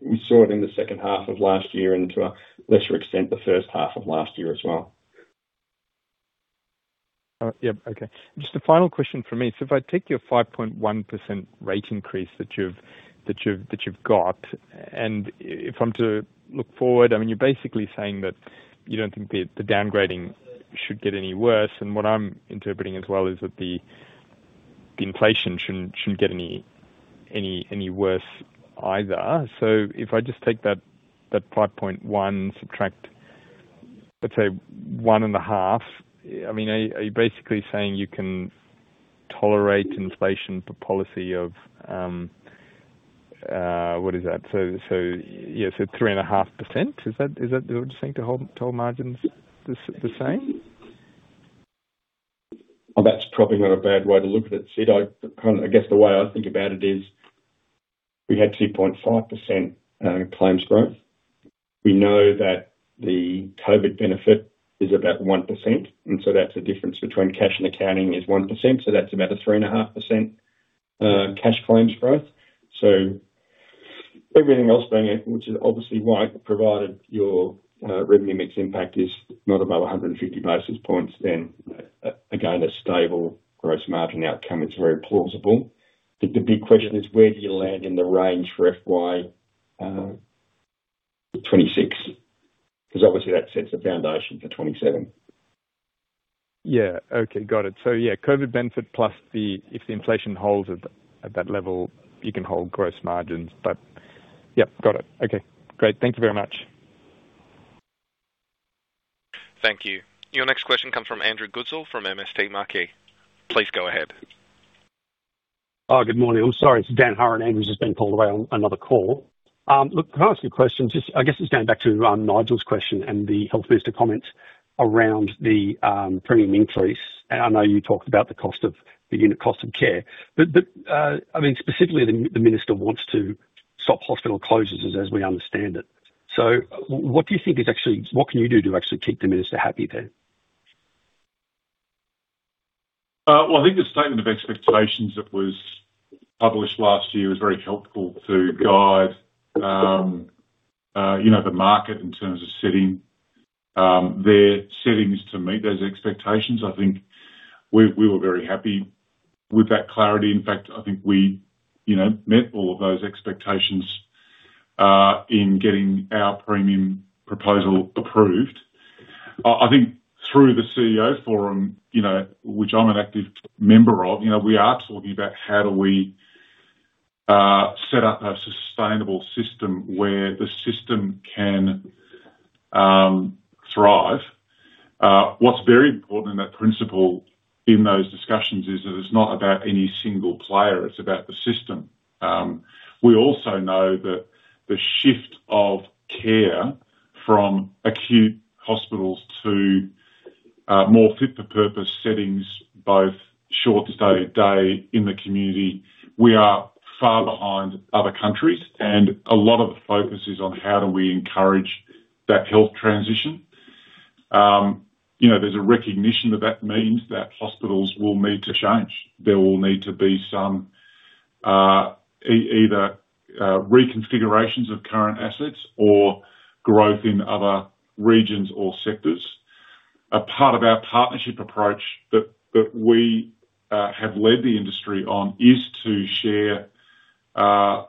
We saw it in the second half of last year and to a lesser extent, the first half of last year as well.
Yep. Okay, just a final question from me. So if I take your 5.1% rate increase that you've got, and if I'm to look forward, I mean, you're basically saying that you don't think the downgrading should get any worse, and what I'm interpreting as well is that the inflation shouldn't get any worse either. So if I just take that 5.1, subtract, let's say, 1.5, I mean, are you basically saying you can tolerate inflation per policy of what is that? So yeah, so 3.5%, is that the thing to hold margins the same?
Well, that's probably not a bad way to look at it, Sid. I kind of, I guess the way I think about it is, we had 2.5% claims growth. We know that the COVID benefit is about 1%, and so that's the difference between cash and accounting is 1%, so that's about a 3.5% cash claims growth. So everything else being equal, which is obviously why, provided your revenue mix impact is not above 150 basis points, then, again, a stable gross margin outcome is very plausible. But the big question is, where do you land in the range for FY 2026? Because obviously that sets the foundation for 2027.
Yeah. Okay, got it. So, yeah, COVID benefit plus the—if the inflation holds at that level, you can hold gross margins, but... Yep, got it. Okay, great. Thank you very much.
Thank you. Your next question comes from Andrew Goodsall from MST Marquee. Please go ahead.
Good morning. I'm sorry, it's Dan Hurren. Andrew's just been called away on another call. Look, can I ask you a question? Just, I guess, going back to Nigel's question and the health minister comments around the premium increase. And I know you talked about the cost of the unit cost of care, but I mean, specifically, the minister wants to stop hospital closures, as we understand it. So what do you think is actually... What can you do to actually keep the minister happy then?
Well, I think the statement of expectations that was published last year is very helpful to guide, you know, the market in terms of setting, their settings to meet those expectations. I think we, we were very happy with that clarity. In fact, I think we, you know, met all of those expectations, in getting our premium proposal approved. I think through the CEO Forum, you know, which I'm an active member of, you know, we are talking about how do we, set up a sustainable system where the system can, thrive. What's very important in that principle, in those discussions is that it's not about any single player, it's about the system. We also know that the shift of care from acute hospitals to more fit-for-purpose settings, both short stay day in the community, we are far behind other countries, and a lot of the focus is on how do we encourage that health transition. You know, there's a recognition that that means that hospitals will need to change. There will need to be some either reconfigurations of current assets or growth in other regions or sectors. A part of our partnership approach that we have led the industry on is to share and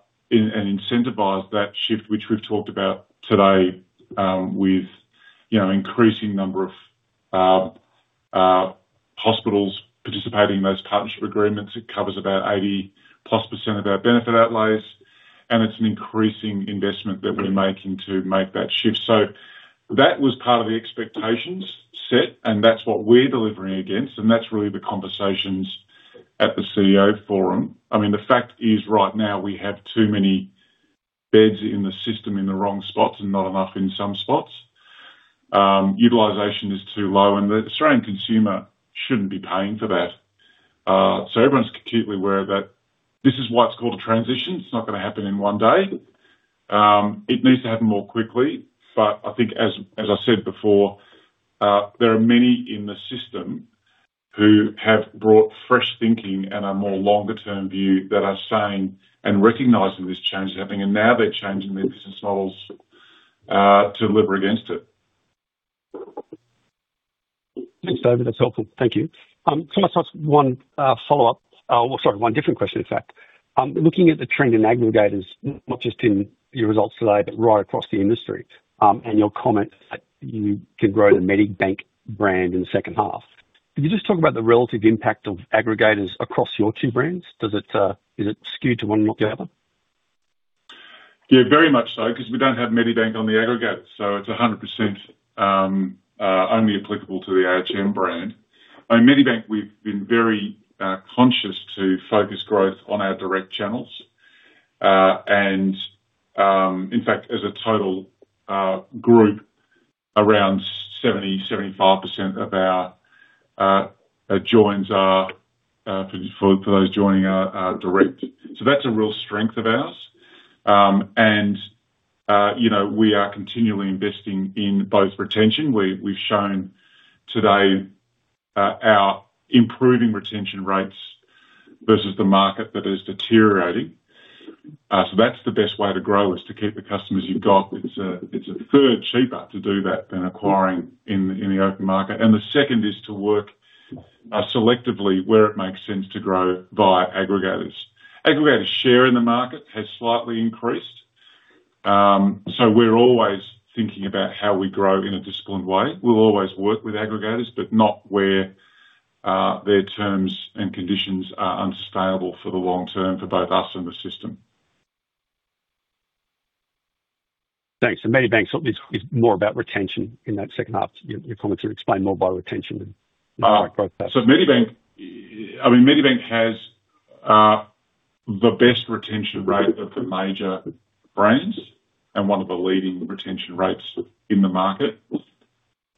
incentivize that shift, which we've talked about today with you know increasing number of hospitals participating in those partnership agreements. It covers about 80%+ of our benefit outlays, and it's an increasing investment that we're making to make that shift. So that was part of the expectations set, and that's what we're delivering against, and that's really the conversations at the CEO Forum. I mean, the fact is, right now, we have too many beds in the system in the wrong spots and not enough in some spots. Utilization is too low, and the Australian consumer shouldn't be paying for that. So everyone's acutely aware that this is why it's called a transition. It's not gonna happen in one day. It needs to happen more quickly, but I think as I said before, there are many in the system who have brought fresh thinking and a more longer term view that are saying and recognizing this change is happening, and now they're changing their business models to deliver against it.
Thanks, David. That's helpful. Thank you. Can I just ask one follow-up? Well, sorry, one different question, in fact. Looking at the trend in aggregators, not just in your results today, but right across the industry, and your comment that you can grow the Medibank brand in the second half. Can you just talk about the relative impact of aggregators across your two brands? Does it is it skewed to one more than the other?
Yeah, very much so, because we don't have Medibank on the aggregator, so it's 100% only applicable to the ahm brand. At Medibank, we've been very conscious to focus growth on our direct channels. In fact, as a total group, around 70-75% of our joins are, for those joining, are direct. That's a real strength of ours. You know, we are continually investing in both retention. We've shown today our improving retention rates versus the market that is deteriorating. That's the best way to grow, is to keep the customers you've got. It's a third cheaper to do that than acquiring in the open market. The second is to work selectively where it makes sense to grow via aggregators. Aggregators' share in the market has slightly increased, so we're always thinking about how we grow in a disciplined way. We'll always work with aggregators, but not where, their terms and conditions are unsustainable for the long term for both us and the system.
Thanks. So Medibank is more about retention in that second half. Your comments would explain more by retention than growth back.
So Medibank, I mean, Medibank has the best retention rate of the major brands and one of the leading retention rates in the market.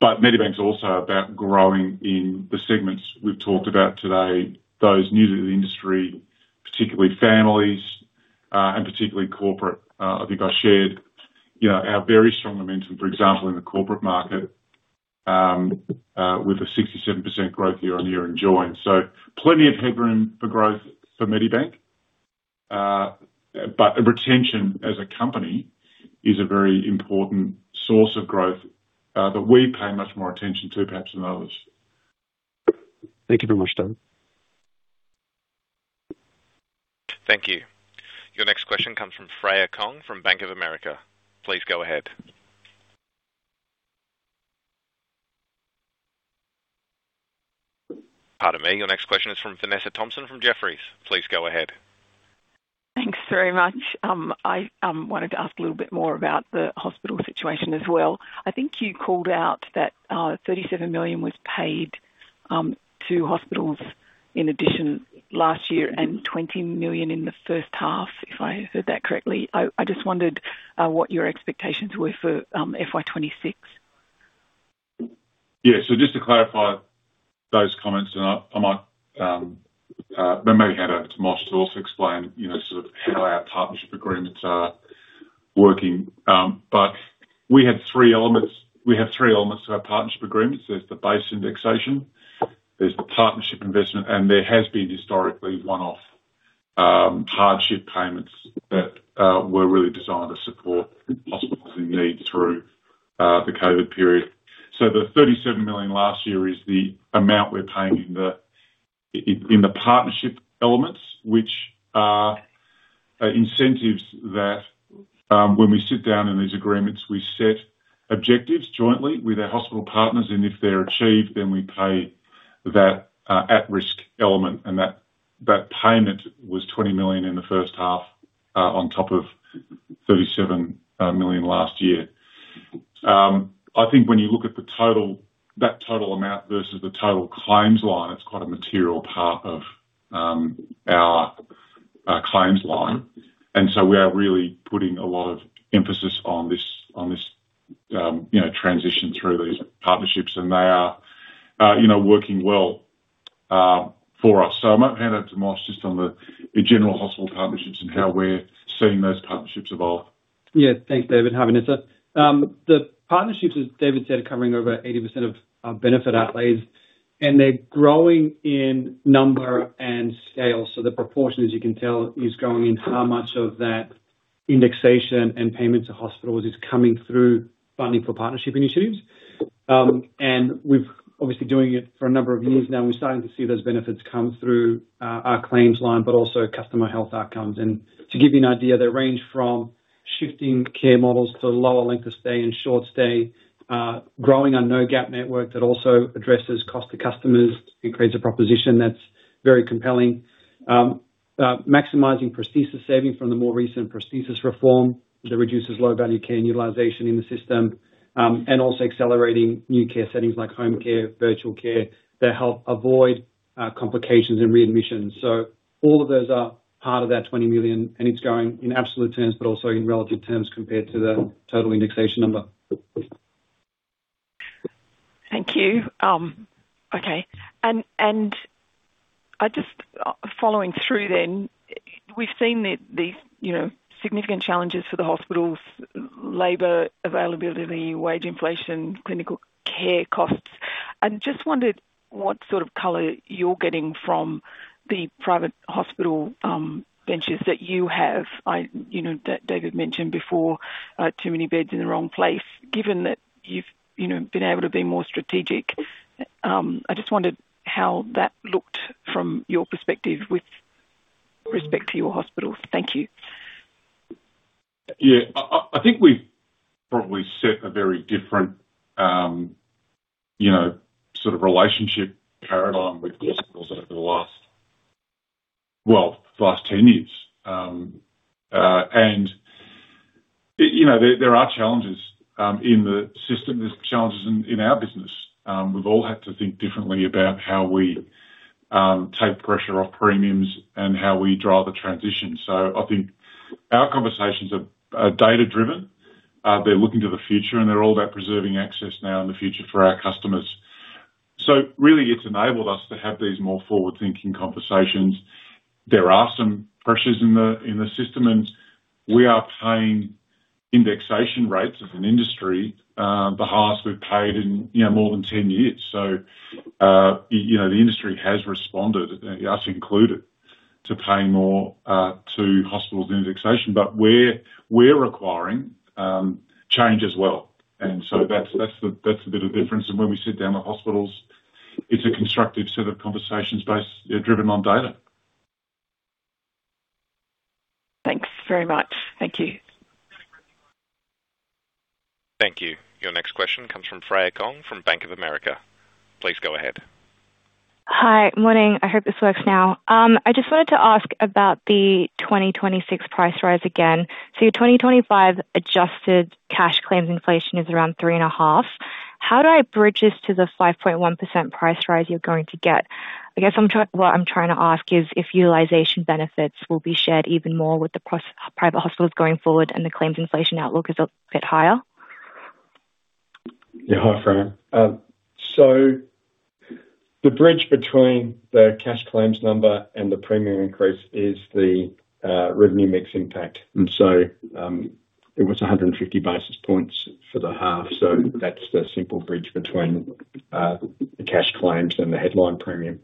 But Medibank is also about growing in the segments we've talked about today, those new to the industry, particularly families, and particularly corporate. I think I shared, you know, our very strong momentum, for example, in the corporate market with a 67% growth year-on-year in joint. So plenty of headroom for growth for Medibank. But retention as a company is a very important source of growth that we pay much more attention to, perhaps, than others.
Thank you very much, David.
Thank you. Your next question comes from Freya Kong, from Bank of America. Please go ahead. Pardon me. Your next question is from Vanessa Thomson from Jefferies. Please go ahead.
Thanks very much. I wanted to ask a little bit more about the hospital situation as well. I think you called out that 37 million was paid to hospitals in addition last year and 20 million in the first half, if I heard that correctly. I just wondered what your expectations were for FY 2026.
Yeah. So just to clarify those comments, and I might maybe hand over to Milosh to also explain, you know, sort of how our partnership agreements are working. But we have three elements, we have three elements to our partnership agreements. There's the base indexation, there's the partnership investment, and there has been historically one-off hardship payments that were really designed to support hospitals in need through the COVID period. So the 37 million last year is the amount we're paying in the partnership elements, which are incentives that, when we sit down in these agreements, we set objectives jointly with our hospital partners, and if they're achieved, then we pay that at-risk element. And that payment was 20 million in the first half on top of 37 million last year. I think when you look at the total that total amount versus the total claims line, it's quite a material part of our claims line, and so we are really putting a lot of emphasis on this, on this, you know, transition through these partnerships, and they are, you know, working well for us. So I might hand over to Milosh just on the, in general, hospital partnerships and how we're seeing those partnerships evolve.
Yeah. Thanks, David. Hi, Vanessa. The partnerships, as David said, are covering over 80% of our benefit outlays, and they're growing in number and scale, so the proportion, as you can tell, is growing in how much of that indexation and payment to hospitals is coming through funding for partnership initiatives. We've obviously been doing it for a number of years now, and we're starting to see those benefits come through our claims line, but also customer health outcomes. To give you an idea, they range from shifting care models to lower length of stay and short stay, growing a no-gap network that also addresses cost to customers. It creates a proposition that's very compelling. Maximizing prosthesis saving from the more recent prosthesis reform that reduces low-value care and utilization in the system. And also accelerating new care settings like home care, virtual care, that help avoid complications and readmissions. So all of those are part of that 20 million, and it's growing in absolute terms, but also in relative terms compared to the total indexation number.
Thank you. Okay. And I just, following through then, we've seen the, you know, significant challenges for the hospitals, labor availability, wage inflation, clinical care costs, and just wondered what sort of color you're getting from the private hospital, you know, benches that you have. I... You know, that David mentioned before, too many beds in the wrong place. Given that you've, you know, been able to be more strategic, I just wondered how that looked from your perspective with respect to your hospitals. Thank you.
Yeah. I think we've probably set a very different, you know, sort of relationship paradigm with hospitals over the last 10 years. You know, there are challenges in the system. There's challenges in our business. We've all had to think differently about how we take pressure off premiums and how we drive the transition. So I think our conversations are data driven, they're looking to the future, and they're all about preserving access now in the future for our customers. So really, it's enabled us to have these more forward-thinking conversations. There are some pressures in the system, and we are paying indexation rates as an industry, the highest we've paid in, you know, more than 10 years. So, you know, the industry has responded, us included, to paying more, to hospitals indexation. But we're requiring change as well, and so that's the... That's a bit of difference. And when we sit down with hospitals, it's a constructive set of conversations based, driven on data.
Thanks very much. Thank you.
Thank you. Your next question comes from Freya Kong, from Bank of America. Please go ahead.
Hi. Morning. I hope this works now. I just wanted to ask about the 2026 price rise again. Your 2025 adjusted cash claims inflation is around 3.5%. How do I bridge this to the 5.1% price rise you're going to get? I guess what I'm trying to ask is if utilization benefits will be shared even more with the private hospitals going forward, and the claims inflation outlook is a bit higher.
Yeah. Hi, Freya. So- The bridge between the cash claims number and the premium increase is the revenue mix impact. And so, it was 150 basis points for the half. So that's the simple bridge between the cash claims and the headline premium.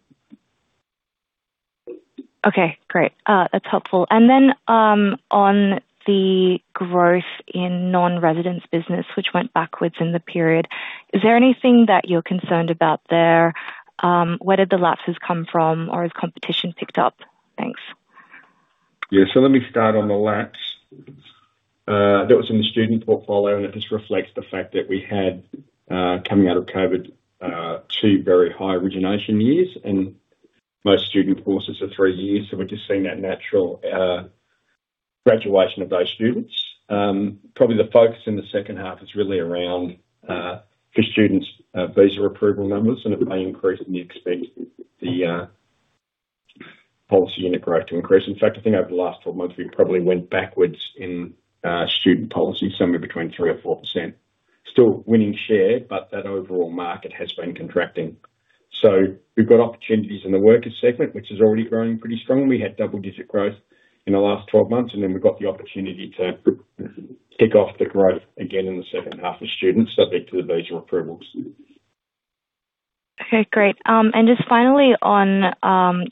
Okay, great. That's helpful. And then, on the growth in non-residents business, which went backwards in the period, is there anything that you're concerned about there? Where did the lapses come from, or has competition picked up? Thanks.
Yeah. So let me start on the lapse. That was in the student portfolio, and it just reflects the fact that we had, coming out of COVID, 2 very high origination years, and most student courses are 3 years, so we're just seeing that natural, graduation of those students. Probably the focus in the second half is really around, for students, visa approval numbers, and it may increase and you expect the, policy unit growth to increase. In fact, I think over the last 12 months, we probably went backwards in, student policy, somewhere between 3 or 4%. Still winning share, but that overall market has been contracting. So we've got opportunities in the worker segment, which is already growing pretty strongly. We had double-digit growth in the last 12 months, and then we've got the opportunity to kick off the growth again in the second half of students, subject to the visa approvals.
Okay, great. And just finally on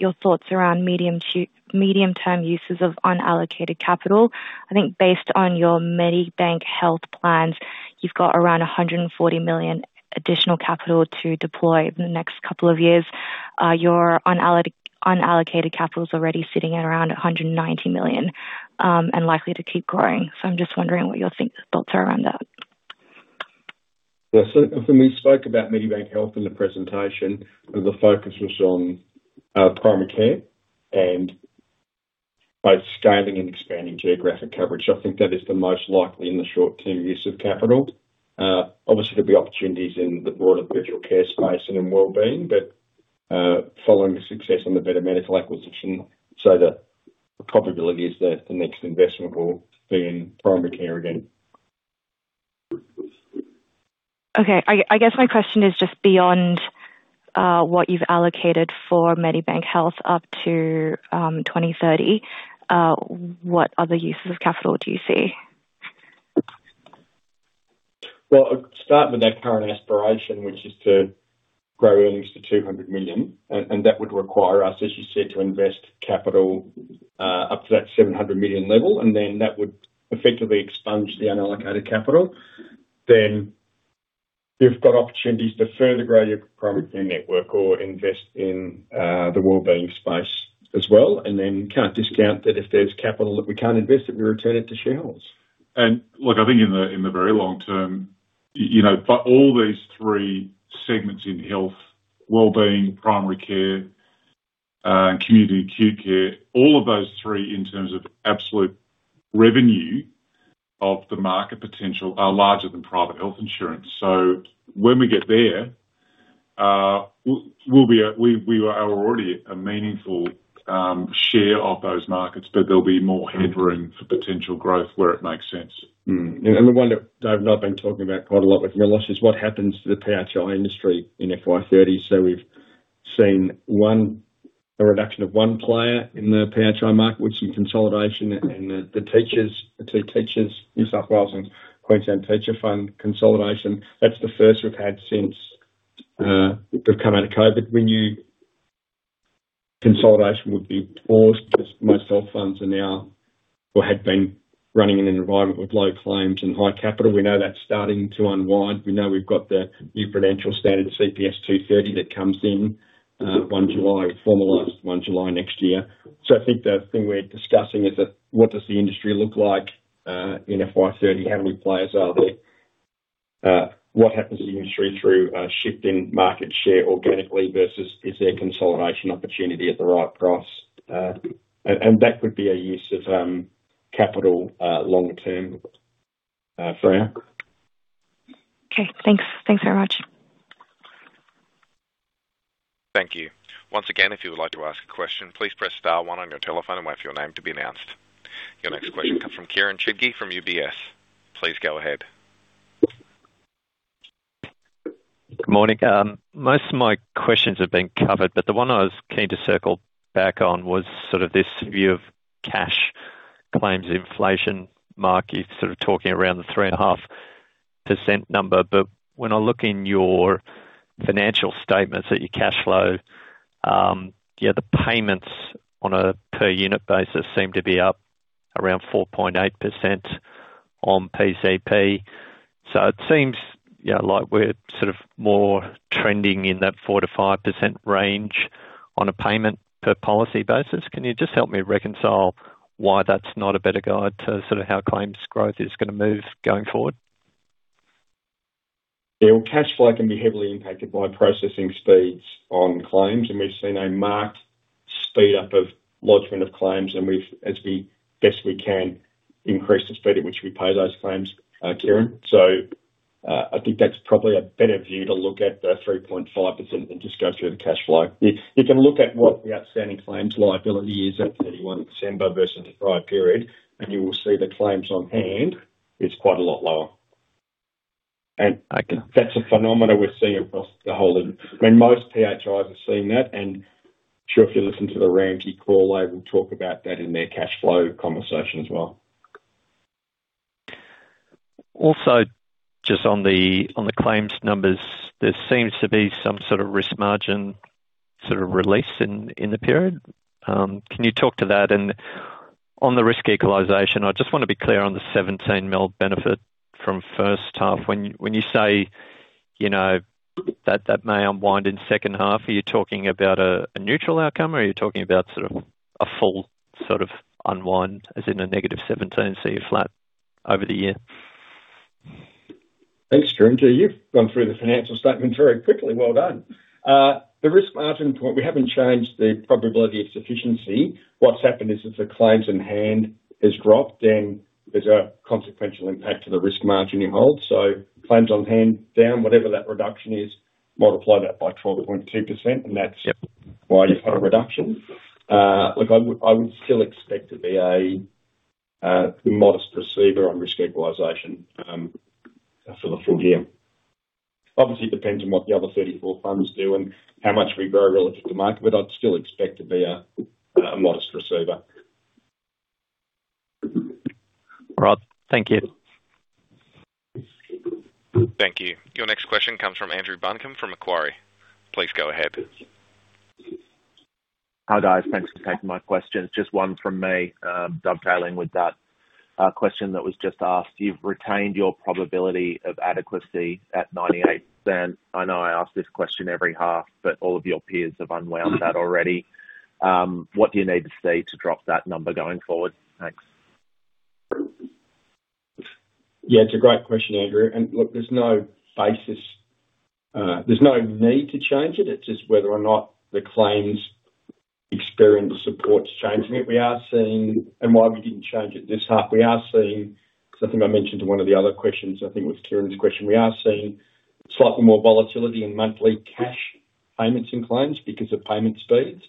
your thoughts around medium-term uses of unallocated capital. I think based on your Medibank Health plans, you've got around 140 million additional capital to deploy in the next couple of years. Your unallocated capital is already sitting at around 190 million, and likely to keep growing. So I'm just wondering what your thoughts are around that.
Yeah. So when we spoke about Medibank Health in the presentation, the focus was on primary care and both scaling and expanding geographic coverage. I think that is the most likely in the short term use of capital. Obviously, there'll be opportunities in the broader virtual care space and in wellbeing, but following the success on the Better Medical acquisition, so the probability is that the next investment will be in primary care again.
Okay. I guess my question is just beyond what you've allocated for Medibank Health up to 2030, what other uses of capital do you see?
Well, I'll start with our current aspiration, which is to grow earnings to 200 million, and that would require us, as you said, to invest capital up to that 700 million level, and then that would effectively expunge the unallocated capital. You've got opportunities to further grow your primary care network or invest in the wellbeing space as well, and then you can't discount that if there's capital that we can't invest it, we return it to shareholders.
And look, I think in the very long term, you know, but all these three segments in health, wellbeing, primary care, and community acute care, all of those three in terms of absolute revenue of the market potential are larger than private health insurance. So when we get there, we'll be at... We are already a meaningful share of those markets, but there'll be more headroom for potential growth where it makes sense.
Mm-hmm. The one that Dave and I have been talking about quite a lot with Melissa is what happens to the PHI industry in FY 30. We've seen a reduction of one player in the PHI market with some consolidation and the teachers, the two teachers, New South Wales and Queensland Teacher Fund consolidation. That's the first we've had since we've come out of COVID. We knew consolidation would be forced as most health funds are now or had been running in an environment with low claims and high capital. We know that's starting to unwind. We know we've got the new Prudential Standard, CPS 230, that comes in 1 July, formalized 1 July next year. I think the thing we're discussing is what does the industry look like in FY 30? How many players are there? What happens to the industry through shifting market share organically versus is there a consolidation opportunity at the right price? And that could be a use of capital longer term for you.
Okay, thanks. Thanks very much.
Thank you. Once again, if you would like to ask a question, please press star one on your telephone and wait for your name to be announced. Your next question comes from Kieran Chidgey from UBS. Please go ahead.
Good morning. Most of my questions have been covered, but the one I was keen to circle back on was sort of this view of cash claims inflation. Mark, you're sort of talking around the 3.5% number, but when I look in your financial statements at your cash flow, yeah, the payments on a per unit basis seem to be up around 4.8% on PCP. So it seems, yeah, like we're sort of more trending in that 4%-5% range on a payment per policy basis. Can you just help me reconcile why that's not a better guide to sort of how claims growth is gonna move going forward?
Yeah, well, cash flow can be heavily impacted by processing speeds on claims, and we've seen a marked speed up of lodgment of claims, and we've, as we best we can, increased the speed at which we pay those claims, Kieran. I think that's probably a better view to look at the 3.5% than just go through the cash flow. You can look at what the outstanding claims liability is at 31 December versus the prior period, and you will see the claims on hand is quite a lot lower. That's a phenomenon we're seeing across the whole of—I mean, most PHIs are seeing that, and I'm sure if you listen to the Ramsay call, they will talk about that in their cash flow conversation as well.
Also, just on the claims numbers, there seems to be some sort of risk margin sort of release in the period. Can you talk to that? And on the risk equalization, I just want to be clear on the 17 million benefit from first half. When you say, you know, that may unwind in second half, are you talking about a neutral outcome or are you talking about sort of a full sort of unwind, as in a negative 17, so you're flat over the year?
Thanks, Kieran. You've gone through the financial statement very quickly. Well done. The risk margin point, we haven't changed the probability of sufficiency. What's happened is the claims in hand has dropped, and there's a consequential impact to the risk margin you hold. So claims on hand down, whatever that reduction is, multiply that by 12.2%, and that's why you've got a reduction. Look, I would still expect to be a modest receiver on risk equalization for the full year. Obviously, it depends on what the other 34 funds do and how much we grow relative to market, but I'd still expect to be a modest receiver.
Right. Thank you.
Thank you. Your next question comes from Andrew Buncombe, from Macquarie. Please go ahead.
Hi, guys. Thanks for taking my question. Just one from me. Dovetailing with that question that was just asked. You've retained your probability of adequacy at 98. I know I ask this question every half, but all of your peers have unwound that already. What do you need to see to drop that number going forward? Thanks.
Yeah, it's a great question, Andrew, and look, there's no basis... there's no need to change it. It's just whether or not the claims experience supports changing it. We are seeing- and why we didn't change it this half, we are seeing, because I think I mentioned to one of the other questions, I think with Kieran's question, we are seeing slightly more volatility in monthly cash payments and claims because of payment speeds.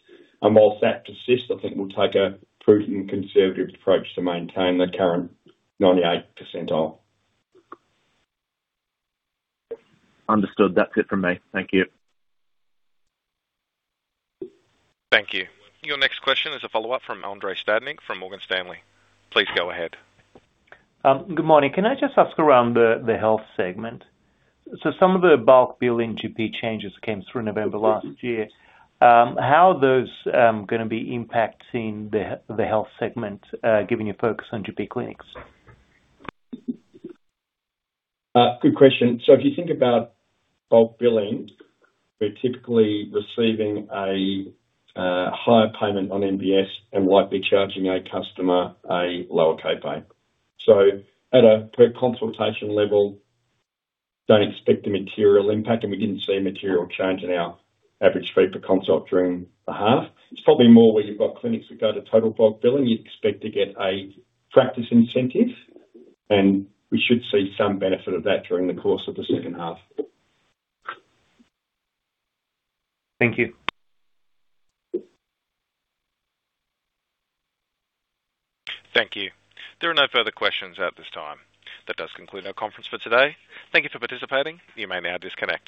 And whilst that persists, I think we'll take a prudent and conservative approach to maintain the current 98 percentile.
Understood. That's it from me. Thank you.
Thank you. Your next question is a follow-up from Andrei Stadnik, from Morgan Stanley. Please go ahead.
Good morning. Can I just ask around the health segment? So some of the bulk billing GP changes came through November last year. How are those gonna be impacting the health segment, giving a focus on GP clinics?
Good question. So if you think about bulk billing, we're typically receiving a higher payment on MBS and likely charging a customer a lower co-pay. So at a per consultation level, don't expect a material impact, and we didn't see a material change in our average fee per consult during the half. It's probably more where you've got clinics that go to total bulk billing, you'd expect to get a practice incentive, and we should see some benefit of that during the course of the second half.
Thank you.
Thank you. There are no further questions at this time. That does conclude our conference for today. Thank you for participating. You may now disconnect.